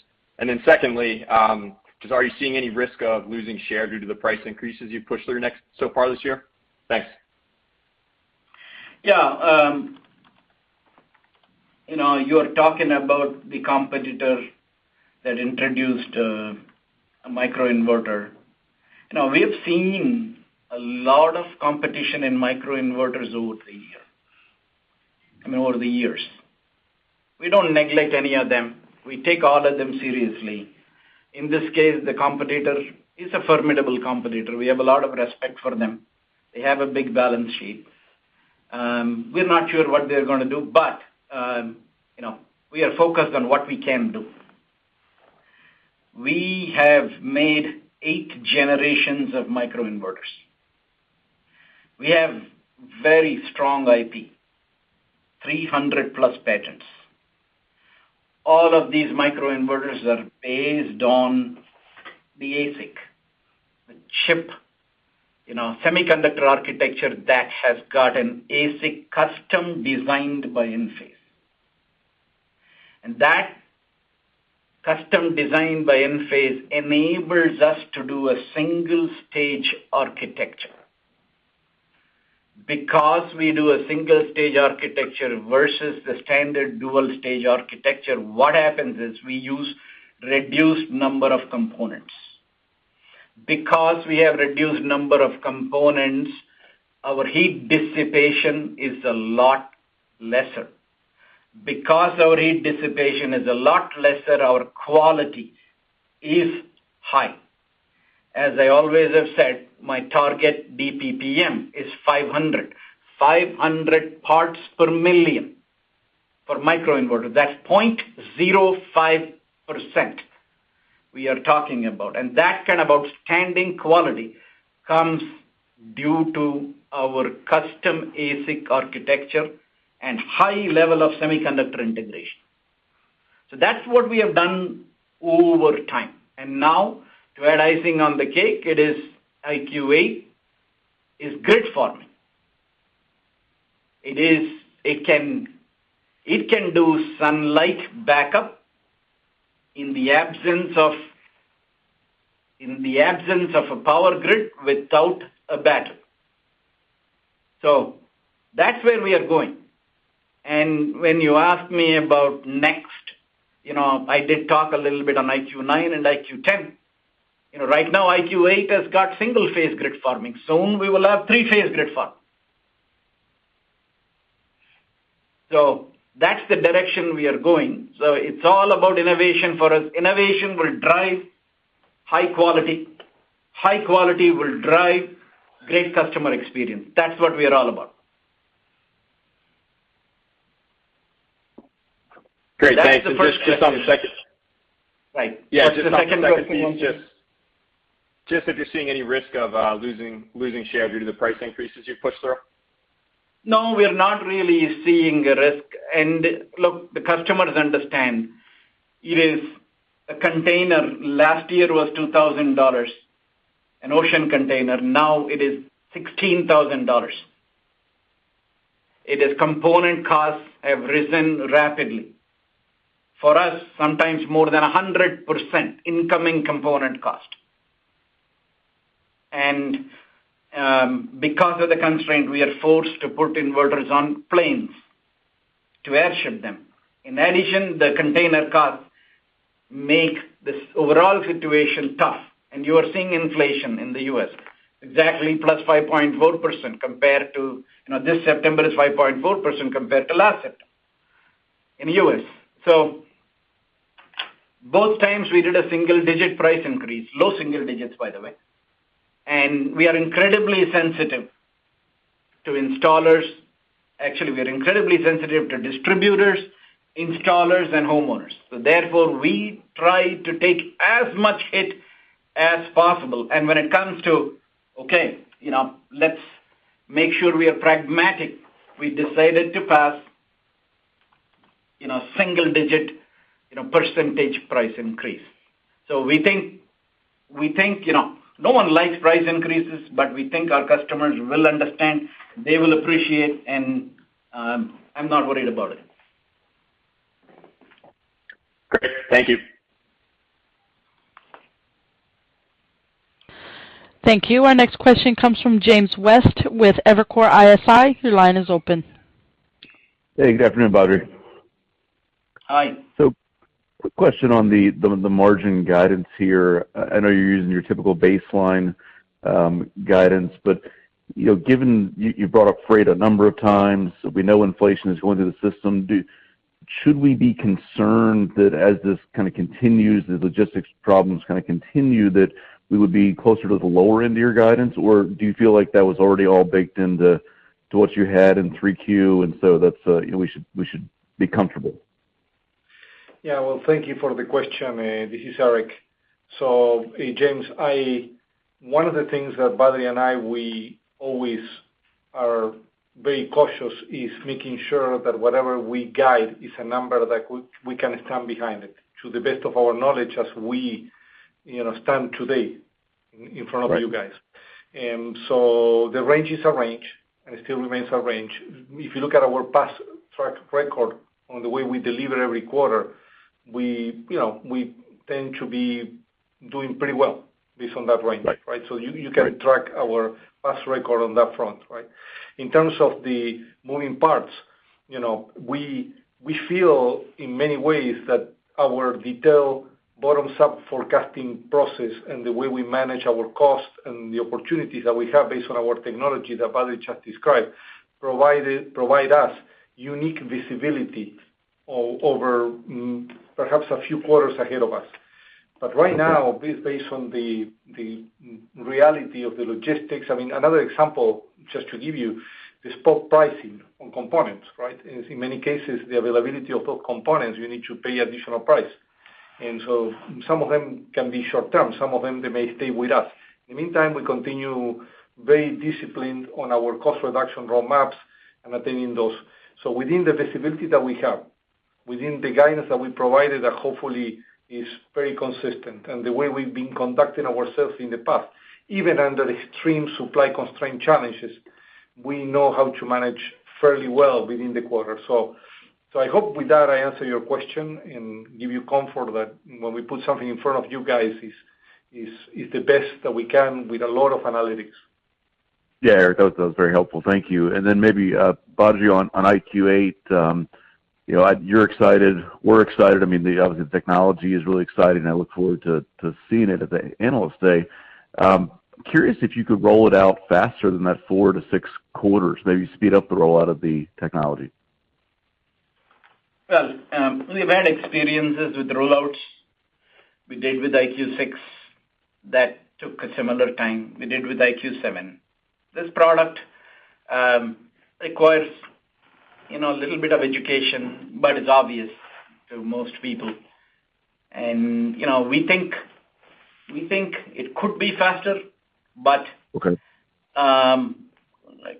Then secondly, just are you seeing any risk of losing share due to the price increases you've pushed through so far this year? Thanks. Yeah. You know, you're talking about the competitor that introduced a microinverter. You know, we have seen a lot of competition in microinverters over the years. I mean, we don't neglect any of them. We take all of them seriously. In this case, the competitor is a formidable competitor. We have a lot of respect for them. They have a big balance sheet. We're not sure what they're gonna do, but you know, we are focused on what we can do. We have made eight generations of microinverters. We have very strong IP, 300+ patents. All of these microinverters are based on the ASIC, the chip, you know, semiconductor architecture that has got an ASIC custom designed by Enphase. That custom design by Enphase enables us to do a single-stage architecture. Because we do a single-stage architecture versus the standard dual-stage architecture, what happens is we use reduced number of components. Because we have reduced number of components, our heat dissipation is a lot lesser. Because our heat dissipation is a lot lesser, our quality is high. As I always have said, my target BPPM is 500. 500 parts per million for microinverter. That's 0.05% we are talking about. That kind of outstanding quality comes due to our custom ASIC architecture and high level of semiconductor integration. That's what we have done over time. Now to add icing on the cake, IQ8 is grid-forming. It can do sunlight backup in the absence of a power grid without a battery. That's where we are going. When you ask me about next, you know, I did talk a little bit on IQ9 and IQ10. You know, right now, IQ8 has got single-phase grid forming. Soon, we will have three-phase grid forming. That's the direction we are going. It's all about innovation for us. Innovation will drive high quality. High quality will drive great customer experience. That's what we are all about. Great, thanks. That's the first. Just on the second. Right. Yeah, just on the second piece, just if you're seeing any risk of losing share due to the price increases you've pushed through? No, we are not really seeing a risk. Look, the customers understand. It is a container, last year it was $2,000, an ocean container. Now it is $16,000. It is component costs have risen rapidly. For us, sometimes more than 100% incoming component cost. Because of the constraint, we are forced to put inverters on planes to airship them. In addition, the container costs make this overall situation tough. You are seeing inflation in the U.S., exactly +5.4% compared to, you know, this September is 5.4% compared to last September in the U.S. Both times we did a single-digit price increase. Low single digits, by the way. We are incredibly sensitive to installers. Actually, we are incredibly sensitive to distributors, installers, and homeowners. Therefore, we try to take as much hit as possible. When it comes to, okay, you know, let's make sure we are pragmatic, we decided to pass, you know, single-digit, you know, % price increase. We think, you know, no one likes price increases, but we think our customers will understand, they will appreciate, and I'm not worried about it. Great. Thank you. Thank you. Our next question comes from James West with Evercore ISI. Your line is open. Hey, good afternoon, Badri. Hi. Quick question on the margin guidance here. I know you're using your typical baseline guidance, but you know, given you brought up freight a number of times. We know inflation is going through the system. Should we be concerned that as this kinda continues, the logistics problems kinda continue, that we would be closer to the lower end of your guidance? Or do you feel like that was already all baked into what you had in three Q, that's you know we should be comfortable? Yeah. Well, thank you for the question. This is Eric. James, I, one of the things that Badri and I, we always are very cautious, is making sure that whatever we guide is a number that we can stand behind it to the best of our knowledge as we you know stand today in front of you guys. Right. The range is a range, and it still remains a range. If you look at our past track record on the way we deliver every quarter, we, you know, we tend to be doing pretty well based on that range. Right? You can track our past record on that front, right? In terms of the moving parts, you know, we feel in many ways that our detailed bottoms-up forecasting process and the way we manage our costs and the opportunities that we have based on our technology that Badri described provide us unique visibility over perhaps a few quarters ahead of us. Right now, based on the reality of the logistics, I mean, another example just to give you is spot pricing on components, right? In many cases, the availability of those components, you need to pay additional price. Some of them can be short term, some of them they may stay with us. In the meantime, we continue very disciplined on our cost reduction roadmaps and attaining those. Within the visibility that we have, within the guidance that we provided, that hopefully is very consistent and the way we've been conducting ourselves in the past, even under extreme supply constraint challenges, we know how to manage fairly well within the quarter. I hope with that, I answer your question and give you comfort that when we put something in front of you guys, is the best that we can with a lot of analytics. Yeah, Eric, that was very helpful. Thank you. Maybe Badri on IQ8. You know, you're excited, we're excited. I mean, obviously the technology is really exciting. I look forward to seeing it at the Analyst Day. Curious if you could roll it out faster than that four to six quarters, maybe speed up the rollout of the technology. Well, we've had experiences with rollouts we did with IQ6 that took a similar time we did with IQ7. This product requires, you know, a little bit of education, but it's obvious to most people. You know, we think it could be faster, but. Okay.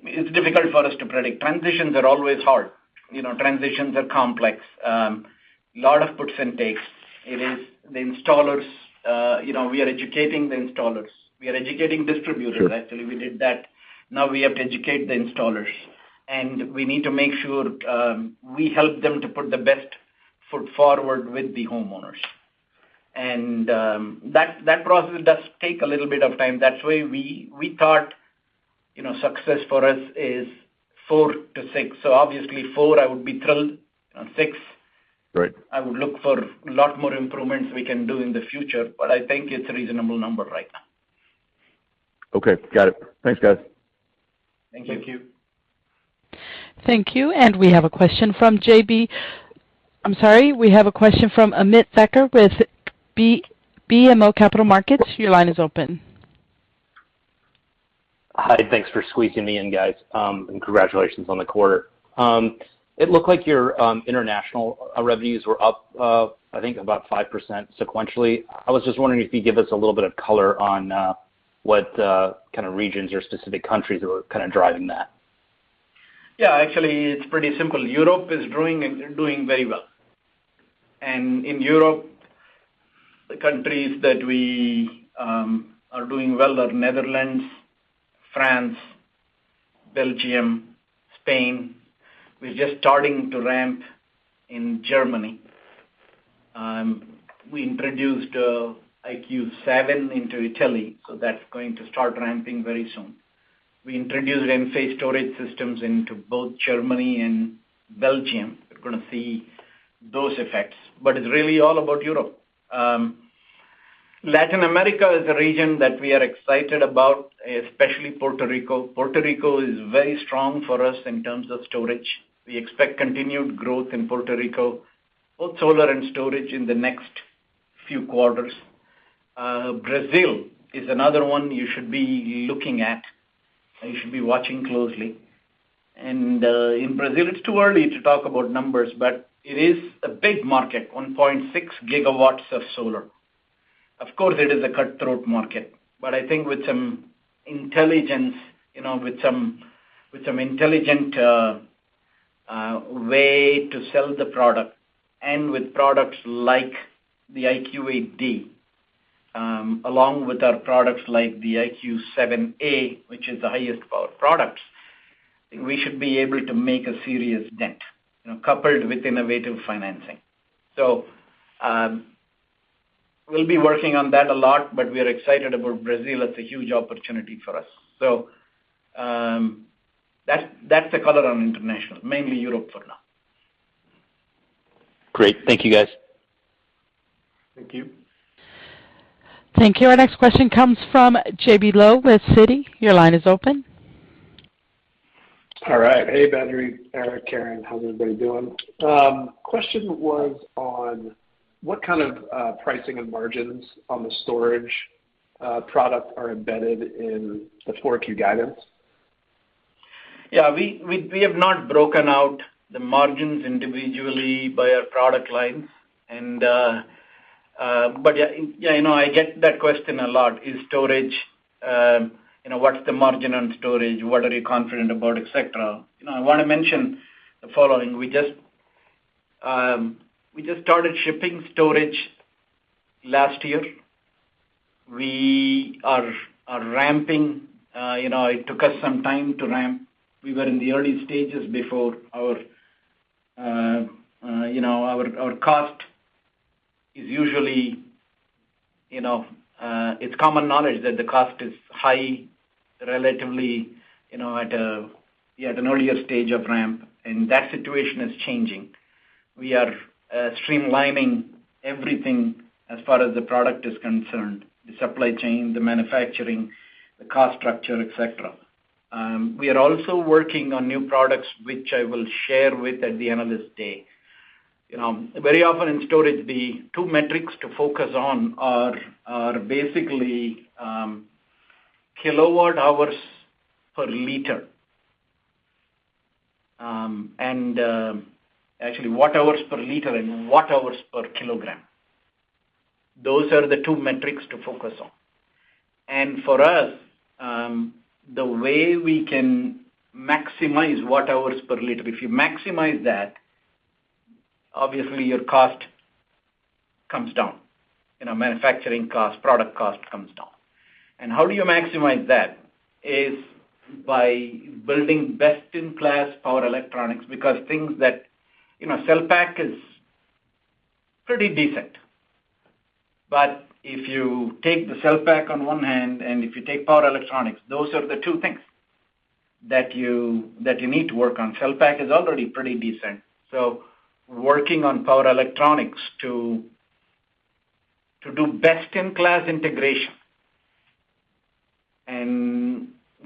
It's difficult for us to predict. Transitions are always hard. You know, transitions are complex. Lot of puts and takes. It is the installers, you know, we are educating the installers, we are educating distributors. Sure. Actually, we did that. Now we have to educate the installers, and we need to make sure we help them to put the best foot forward with the homeowners. That process does take a little bit of time. That's why we thought, you know, success for us is four to six. Obviously four, I would be thrilled. On six- Right I would look for a lot more improvements we can do in the future. I think it's a reasonable number right now. Okay. Got it. Thanks, guys. Thank you. Thank you. Thank you. We have a question from Ameet Thakkar with BMO Capital Markets. Your line is open. Hi. Thanks for squeezing me in, guys, and congratulations on the quarter. It looked like your international revenues were up, I think about 5% sequentially. I was just wondering if you could give us a little bit of color on what kind of regions or specific countries were kind of driving that. Yeah, actually, it's pretty simple. Europe is growing and doing very well. In Europe, the countries that we are doing well are Netherlands, France, Belgium, Spain. We're just starting to ramp in Germany. We introduced IQ7 into Italy, so that's going to start ramping very soon. We introduced Enphase storage systems into both Germany and Belgium. We're gonna see those effects. It's really all about Europe. Latin America is a region that we are excited about, especially Puerto Rico. Puerto Rico is very strong for us in terms of storage. We expect continued growth in Puerto Rico, both solar and storage in the next few quarters. Brazil is another one you should be looking at and you should be watching closely. In Brazil, it's too early to talk about numbers, but it is a big market, 1.6 GW of solar. Of course, it is a cutthroat market, but I think with some intelligence, you know, with some intelligent way to sell the product and with products like the IQ8D, along with our products like the IQ7A, which is the highest power products, we should be able to make a serious dent, you know, coupled with innovative financing. We'll be working on that a lot, but we are excited about Brazil. It's a huge opportunity for us. That's the color on international, mainly Europe for now. Great. Thank you, guys. Thank you. Thank you. Our next question comes from J.B. Lowe with Citi. Your line is open. All right. Hey, Badri, Eric, Karen, how's everybody doing? Question was on what kind of pricing and margins on the storage product are embedded in the 4Q guidance? Yeah, we have not broken out the margins individually by our product lines. But yeah, you know, I get that question a lot. Is storage, you know, what's the margin on storage? What are you confident about? Et cetera. You know, I wanna mention the following. We just started shipping storage last year. We are ramping. You know, it took us some time to ramp. We were in the early stages before our costs are usually high relatively, you know, at an earlier stage of ramp, and that situation is changing. We are streamlining everything as far as the product is concerned, the supply chain, the manufacturing, the cost structure, et cetera. We are also working on new products which I will share with you at the end of this day. You know, very often in storage, the two metrics to focus on are basically kilowatt hours per liter. Actually watt hours per liter and then watt hours per kilogram. Those are the two metrics to focus on. For us, the way we can maximize watt hours per liter, if you maximize that, obviously your cost comes down. You know, manufacturing cost, product cost comes down. How do you maximize that? It is by building best-in-class power electronics because you know, cell pack is pretty decent. If you take the cell pack on one hand and if you take power electronics, those are the two things that you need to work on. Cell pack is already pretty decent. We're working on power electronics to do best-in-class integration.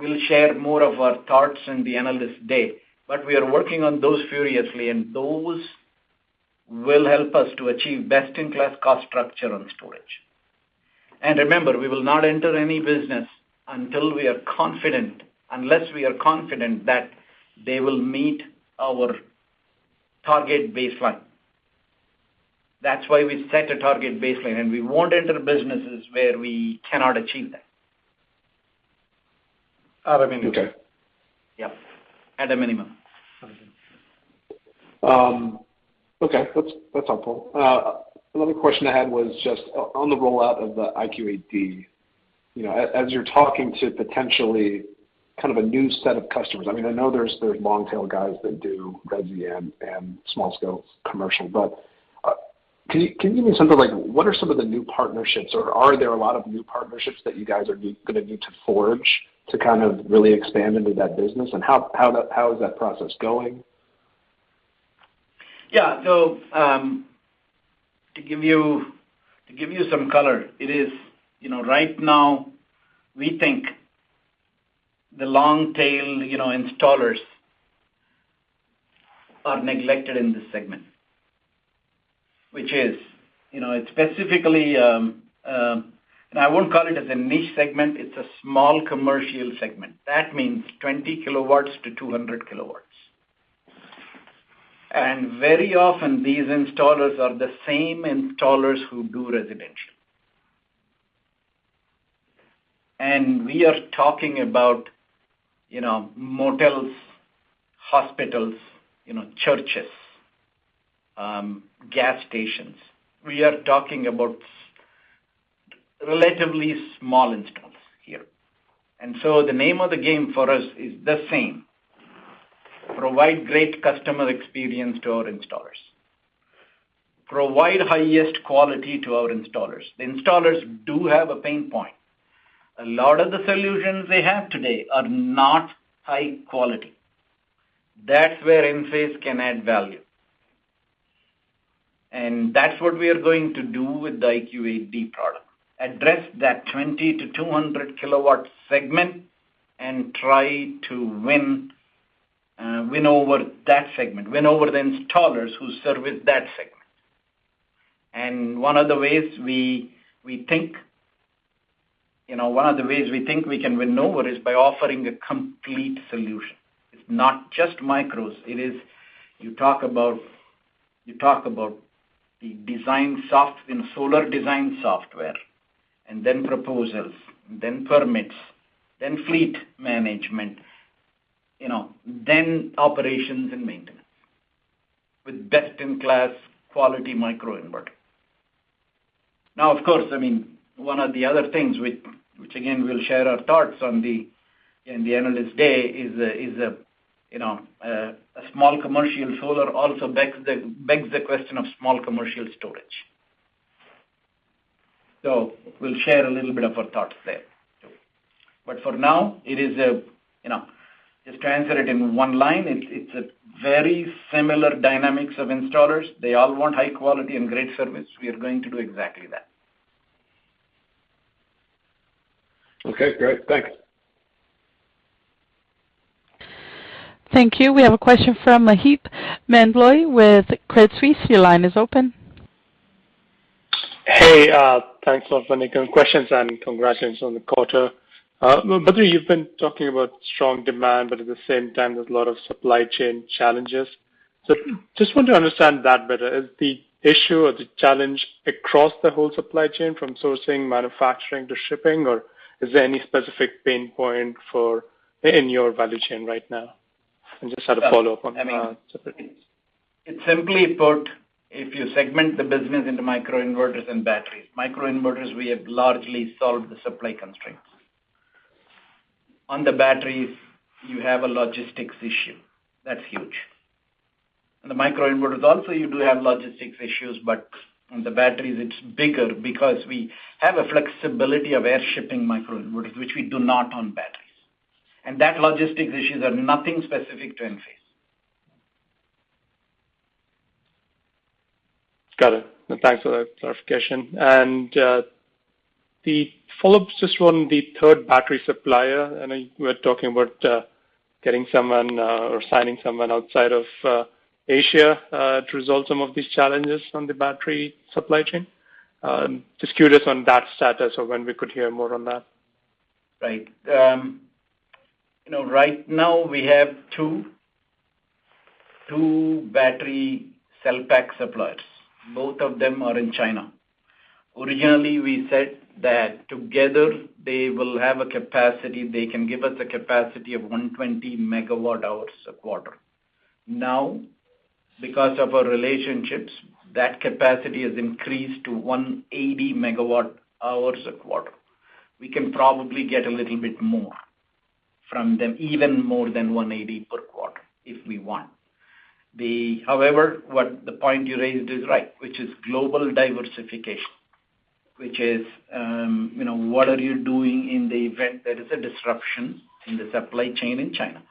We'll share more of our thoughts in the analyst day. We are working on those furiously, and those will help us to achieve best-in-class cost structure on storage. Remember, we will not enter any business until we are confident, unless we are confident that they will meet our target baseline. That's why we set a target baseline, and we won't enter businesses where we cannot achieve that. At a minimum. Okay. Yeah. At a minimum. Okay. That's helpful. Another question I had was just on the rollout of the IQ8D. You know, as you're talking to potentially kind of a new set of customers, I mean, I know there's long tail guys that do resi and small scale commercial. But can you give me something like what are some of the new partnerships or are there a lot of new partnerships that you guys are gonna need to forge to kind of really expand into that business? And how is that process going? Yeah. To give you some color, it is, you know, right now we think the long tail, you know, installers are neglected in this segment. Which is, you know, it's specifically, and I won't call it as a niche segment, it's a small commercial segment. That means 20 kW-200 kW. Very often these installers are the same installers who do residential. We are talking about, you know, motels, hospitals, you know, churches, gas stations. We are talking about relatively small installs here. The name of the game for us is the same. Provide great customer experience to our installers. Provide highest quality to our installers. The installers do have a pain point. A lot of the solutions they have today are not high quality. That's where Enphase can add value. That's what we are going to do with the IQ8D product, address that 20kW-200 kW segment and try to win over that segment, win over the installers who service that segment. One of the ways we think, you know, we can win over is by offering a complete solution. It's not just micros. You talk about solar design software and then proposals, then permits, then fleet management, you know, then operations and maintenance with best-in-class quality microinverter. Now of course, I mean, one of the other things which again we'll share our thoughts on the analyst day is a small commercial solar also begs the question of small commercial storage. We'll share a little bit of our thoughts there too. For now, it is, you know, just to answer it in one line, it's a very similar dynamics of installers. They all want high quality and great service. We are going to do exactly that. Okay, great. Thanks. Thank you. We have a question from Maheep Mandloi with Credit Suisse. Your line is open. Hey, thanks a lot for taking questions, and congratulations on the quarter. Badri Kothandaraman, you've been talking about strong demand, but at the same time there's a lot of supply chain challenges. Just want to understand that better. Is the issue or the challenge across the whole supply chain from sourcing, manufacturing to shipping, or is there any specific pain point for in your value chain right now? Just had a follow-up on- Yeah. I mean. Separately. It's simply put, if you segment the business into microinverters and batteries. Microinverters, we have largely solved the supply constraints. On the batteries, you have a logistics issue. That's huge. On the microinverters also you do have logistics issues, but on the batteries it's bigger because we have a flexibility of air shipping microinverters, which we do not on batteries. That logistics issues are nothing specific to Enphase. Got it. Thanks for that clarification. The follow-up, just on the third battery supplier, I know you were talking about getting someone or signing someone outside of Asia to resolve some of these challenges on the battery supply chain. Just curious on that status or when we could hear more on that. Right. You know, right now we have two battery cell pack suppliers. Both of them are in China. Originally, we said that together they will have a capacity, they can give us a capacity of 120 MWh a quarter. Now, because of our relationships, that capacity has increased to 180 MWh a quarter. We can probably get a little bit more from them, even more than 180 MWh per quarter if we want. However, what the point you raised is right, which is global diversification, which is, you know, what are you doing in the event there is a disruption in the supply chain in China.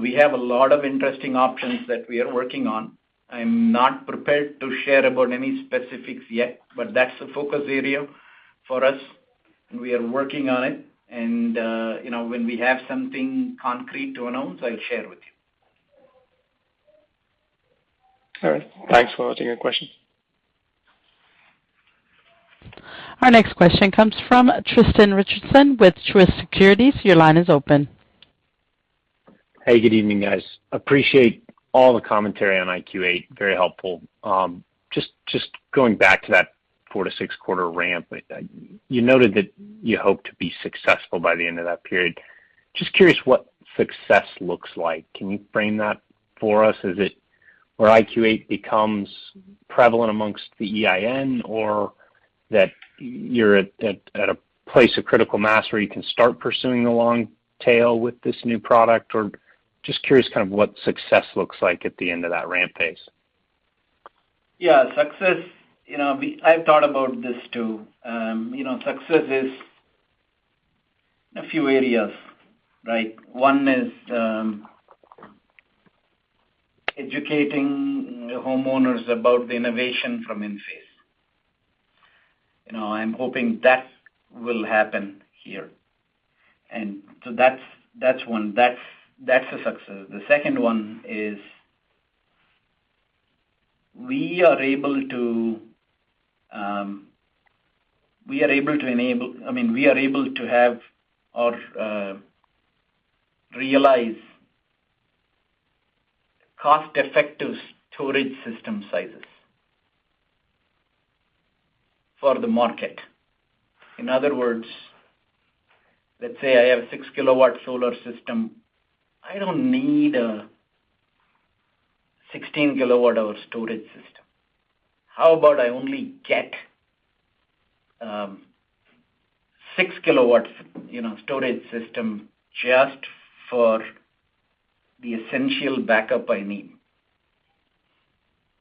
We have a lot of interesting options that we are working on. I'm not prepared to share about any specifics yet, but that's a focus area for us, and we are working on it. You know, when we have something concrete to announce, I'll share with you. All right. Thanks for taking the question. Our next question comes from Tristan Richardson with Truist Securities. Your line is open. Hey, good evening, guys. Appreciate all the commentary on IQ8. Very helpful. Just going back to that four to six quarter ramp, you noted that you hope to be successful by the end of that period. Just curious what success looks like. Can you frame that for us? Is it where IQ8 becomes prevalent among the EIN or that you're at a place of critical mass where you can start pursuing the long tail with this new product? Or just curious kind of what success looks like at the end of that ramp phase. Success, you know, I've thought about this, too. You know, success is a few areas, right? One is educating homeowners about the innovation from Enphase. You know, I'm hoping that will happen here. That's one. That's a success. The second one is, we are able to realize cost-effective storage system sizes for the market. In other words, let's say I have a 6 kW solar system. I don't need a 16 kWh storage system. How about I only get 6 kW storage system just for the essential backup I need?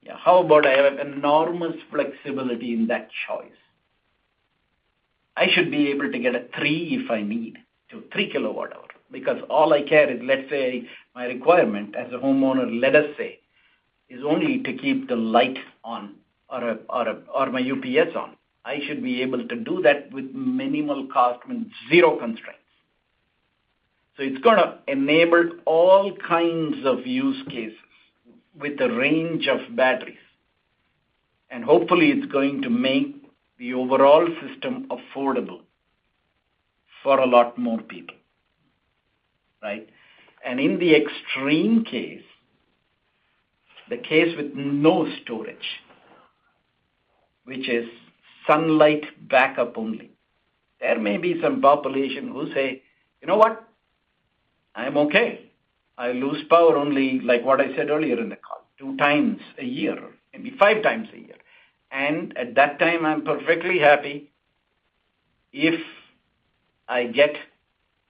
How about I have enormous flexibility in that choice? I should be able to get a three if I need to 3 kWh, because all I care is, let's say, my requirement as a homeowner, let us say, is only to keep the light on or my UPS on. I should be able to do that with minimal cost and zero constraints. It's gonna enable all kinds of use cases with a range of batteries. And hopefully, it's going to make the overall system affordable for a lot more people, right? And in the extreme case, the case with no storage, which is sunlight backup only, there may be some population who say, "You know what? I am okay. I lose power only," like what I said earlier in the call, 2x a year, maybe 5x a year. at that time, I'm perfectly happy if I get,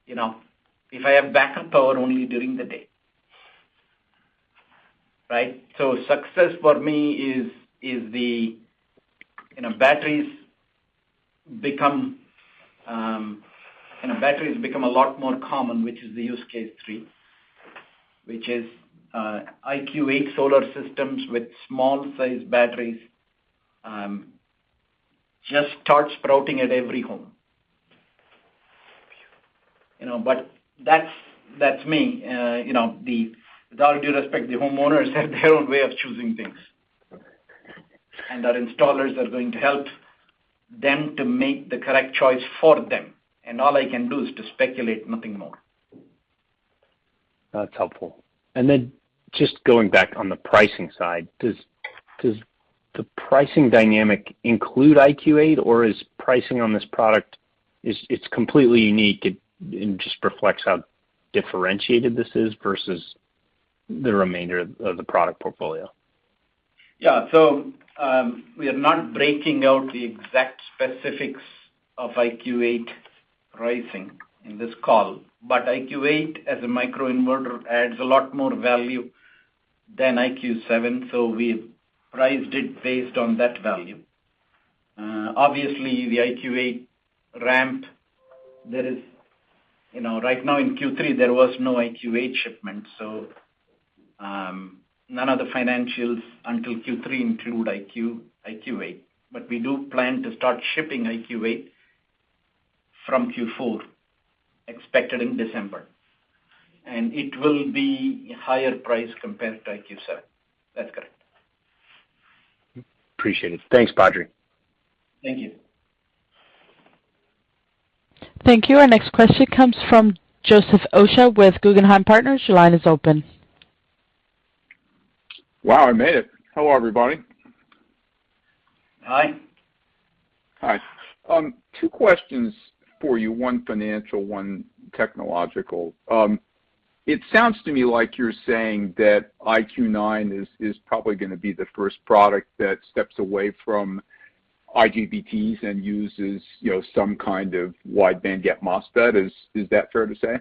you know, if I have backup power only during the day. Right? Success for me is the batteries become a lot more common, which is the use case three, which is IQ8 solar systems with small size batteries just start sprouting at every home. You know, but that's me. With all due respect, the homeowners have their own way of choosing things. Our installers are going to help them to make the correct choice for them. All I can do is to speculate, nothing more. That's helpful. Then just going back on the pricing side, does the pricing dynamic include IQ8 or is pricing on this product, it's completely unique, it just reflects how differentiated this is versus the remainder of the product portfolio? Yeah. We are not breaking out the exact specifics of IQ8 pricing in this call, but IQ8 as a microinverter adds a lot more value than IQ7, so we priced it based on that value. Obviously, the IQ8 ramp there is. You know, right now in Q3, there was no IQ8 shipments, so none of the financials until Q3 include IQ8. We do plan to start shipping IQ8 from Q4, expected in December. It will be a higher price compared to IQ7. That's correct. Appreciate it. Thanks, Badri. Thank you. Thank you. Our next question comes from Joseph Osha with Guggenheim Partners. Your line is open. Wow, I made it. Hello, everybody. Hi. Hi. Two questions for you, one financial, one technological. It sounds to me like you're saying that IQ9 is probably gonna be the first product that steps away from IGBTs and uses, you know, some kind of wide bandgap MOSFET. Is that fair to say?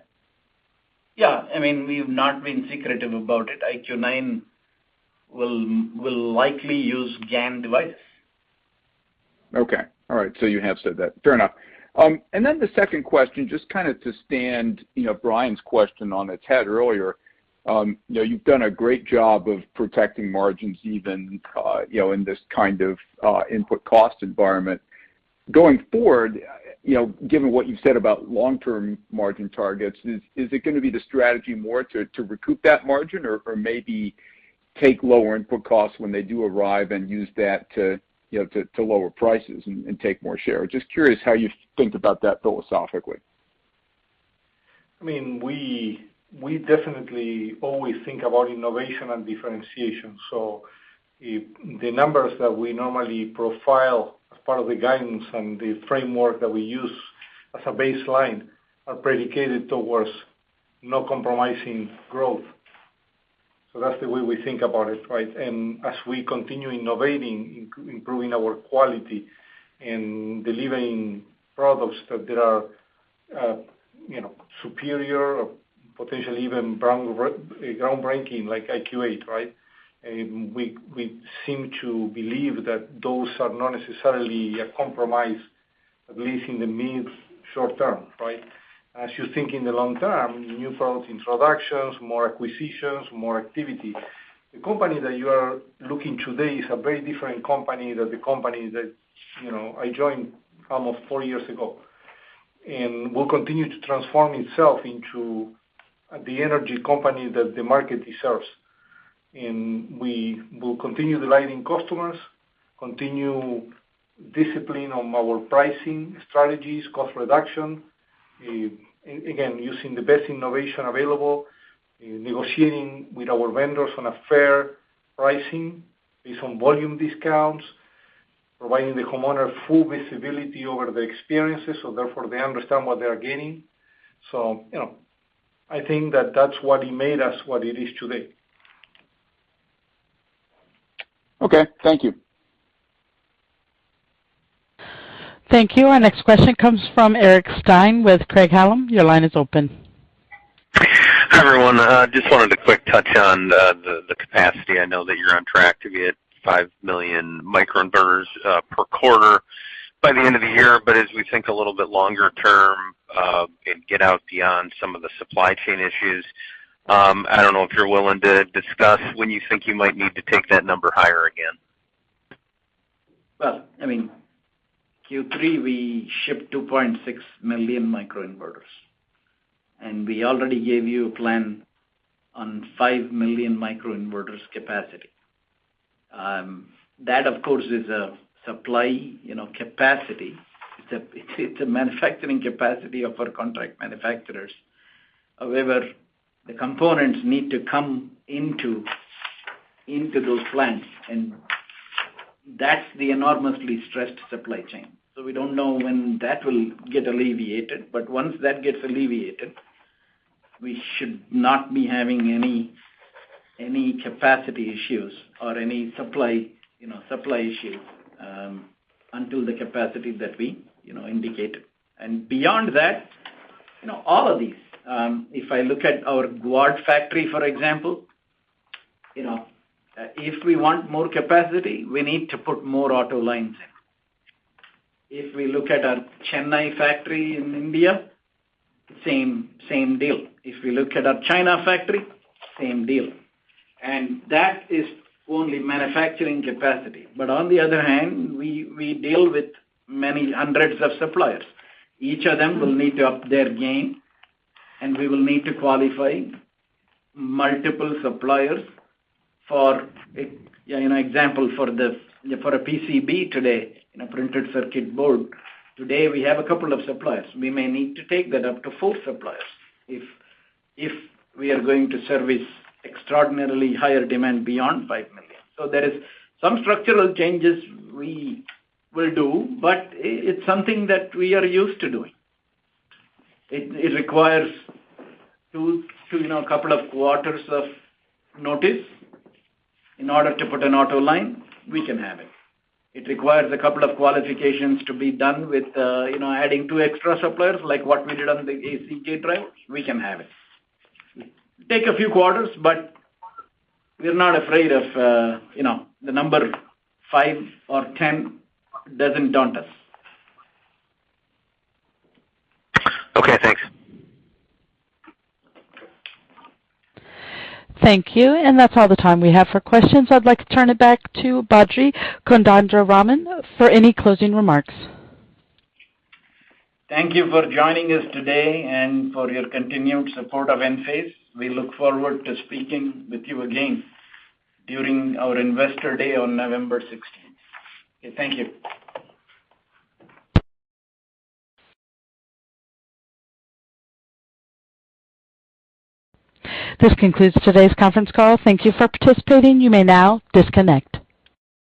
Yeah. I mean, we've not been secretive about it. IQ9 will likely use GaN device. Okay. All right. You have said that. Fair enough. Then the second question, just kinda to stand, you know, Brian's question on its head earlier, you know, you've done a great job of protecting margins even, you know, in this kind of input cost environment. Going forward, you know, given what you've said about long-term margin targets, is it gonna be the strategy more to recoup that margin or maybe take lower input costs when they do arrive and use that to, you know, to lower prices and take more share? Just curious how you think about that philosophically. I mean, we definitely always think about innovation and differentiation. If the numbers that we normally profile as part of the guidance and the framework that we use as a baseline are predicated towards no compromising growth. That's the way we think about it, right? As we continue innovating, improving our quality and delivering products that are, you know, superior or potentially even groundbreaking like IQ8, right? We seem to believe that those are not necessarily a compromise, at least in the mid short term, right? As you think in the long term, new product introductions, more acquisitions, more activity. The company that you are looking at today is a very different company than the company that I joined almost four years ago. Will continue to transform itself into the energy company that the market deserves. We will continue delighting customers, continue discipline on our pricing strategies, cost reduction, and again, using the best innovation available, negotiating with our vendors on a fair pricing based on volume discounts, providing the homeowner full visibility over the experiences, so therefore they understand what they are gaining. You know, I think that that's what it made us what it is today. Okay. Thank you. Thank you. Our next question comes from Eric Stine with Craig-Hallum. Your line is open. Hi, everyone. Just wanted to quick touch on the capacity. I know that you're on track to be at 5 million microinverters per quarter by the end of the year. As we think a little bit longer term, and get out beyond some of the supply chain issues, I don't know if you're willing to discuss when you think you might need to take that number higher again. Well, I mean, Q3, we shipped 2.6 million microinverters, and we already gave you a plan on 5 million microinverters capacity. That, of course, is a supply, you know, capacity. It's a manufacturing capacity of our contract manufacturers. However, the components need to come into those plants, and that's the enormously stressed supply chain. We don't know when that will get alleviated, but once that gets alleviated, we should not be having any capacity issues or any supply, you know, supply issues, until the capacity that we, you know, indicated. Beyond that, you know, all of these, if I look at our Guadalajara factory, for example, you know, if we want more capacity, we need to put more auto lines in. If we look at our Chennai factory in India, same deal. If we look at our China factory, same deal. That is only manufacturing capacity. On the other hand, we deal with many hundreds of suppliers. Each of them will need to up their game, and we will need to qualify multiple suppliers for example for the PCB today, you know, printed circuit board, today we have a couple of suppliers. We may need to take that up to four suppliers if we are going to service extraordinarily higher demand beyond five million. There is some structural changes we will do, but it's something that we are used to doing. It requires two to a couple of quarters of notice in order to put an auto line, we can have it. It requires a couple of qualifications to be done with adding two extra suppliers, like what we did on the AC FET driver, we can have it take a few quarters, but we're not afraid of the number five or 10 doesn't daunt us. Okay, thanks. Thank you. That's all the time we have for questions. I'd like to turn it back to Badri Kothandaraman for any closing remarks. Thank you for joining us today and for your continued support of Enphase. We look forward to speaking with you again during our Investor Day on November 16th. Okay, thank you. This concludes today's conference call. Thank you for participating. You may now disconnect.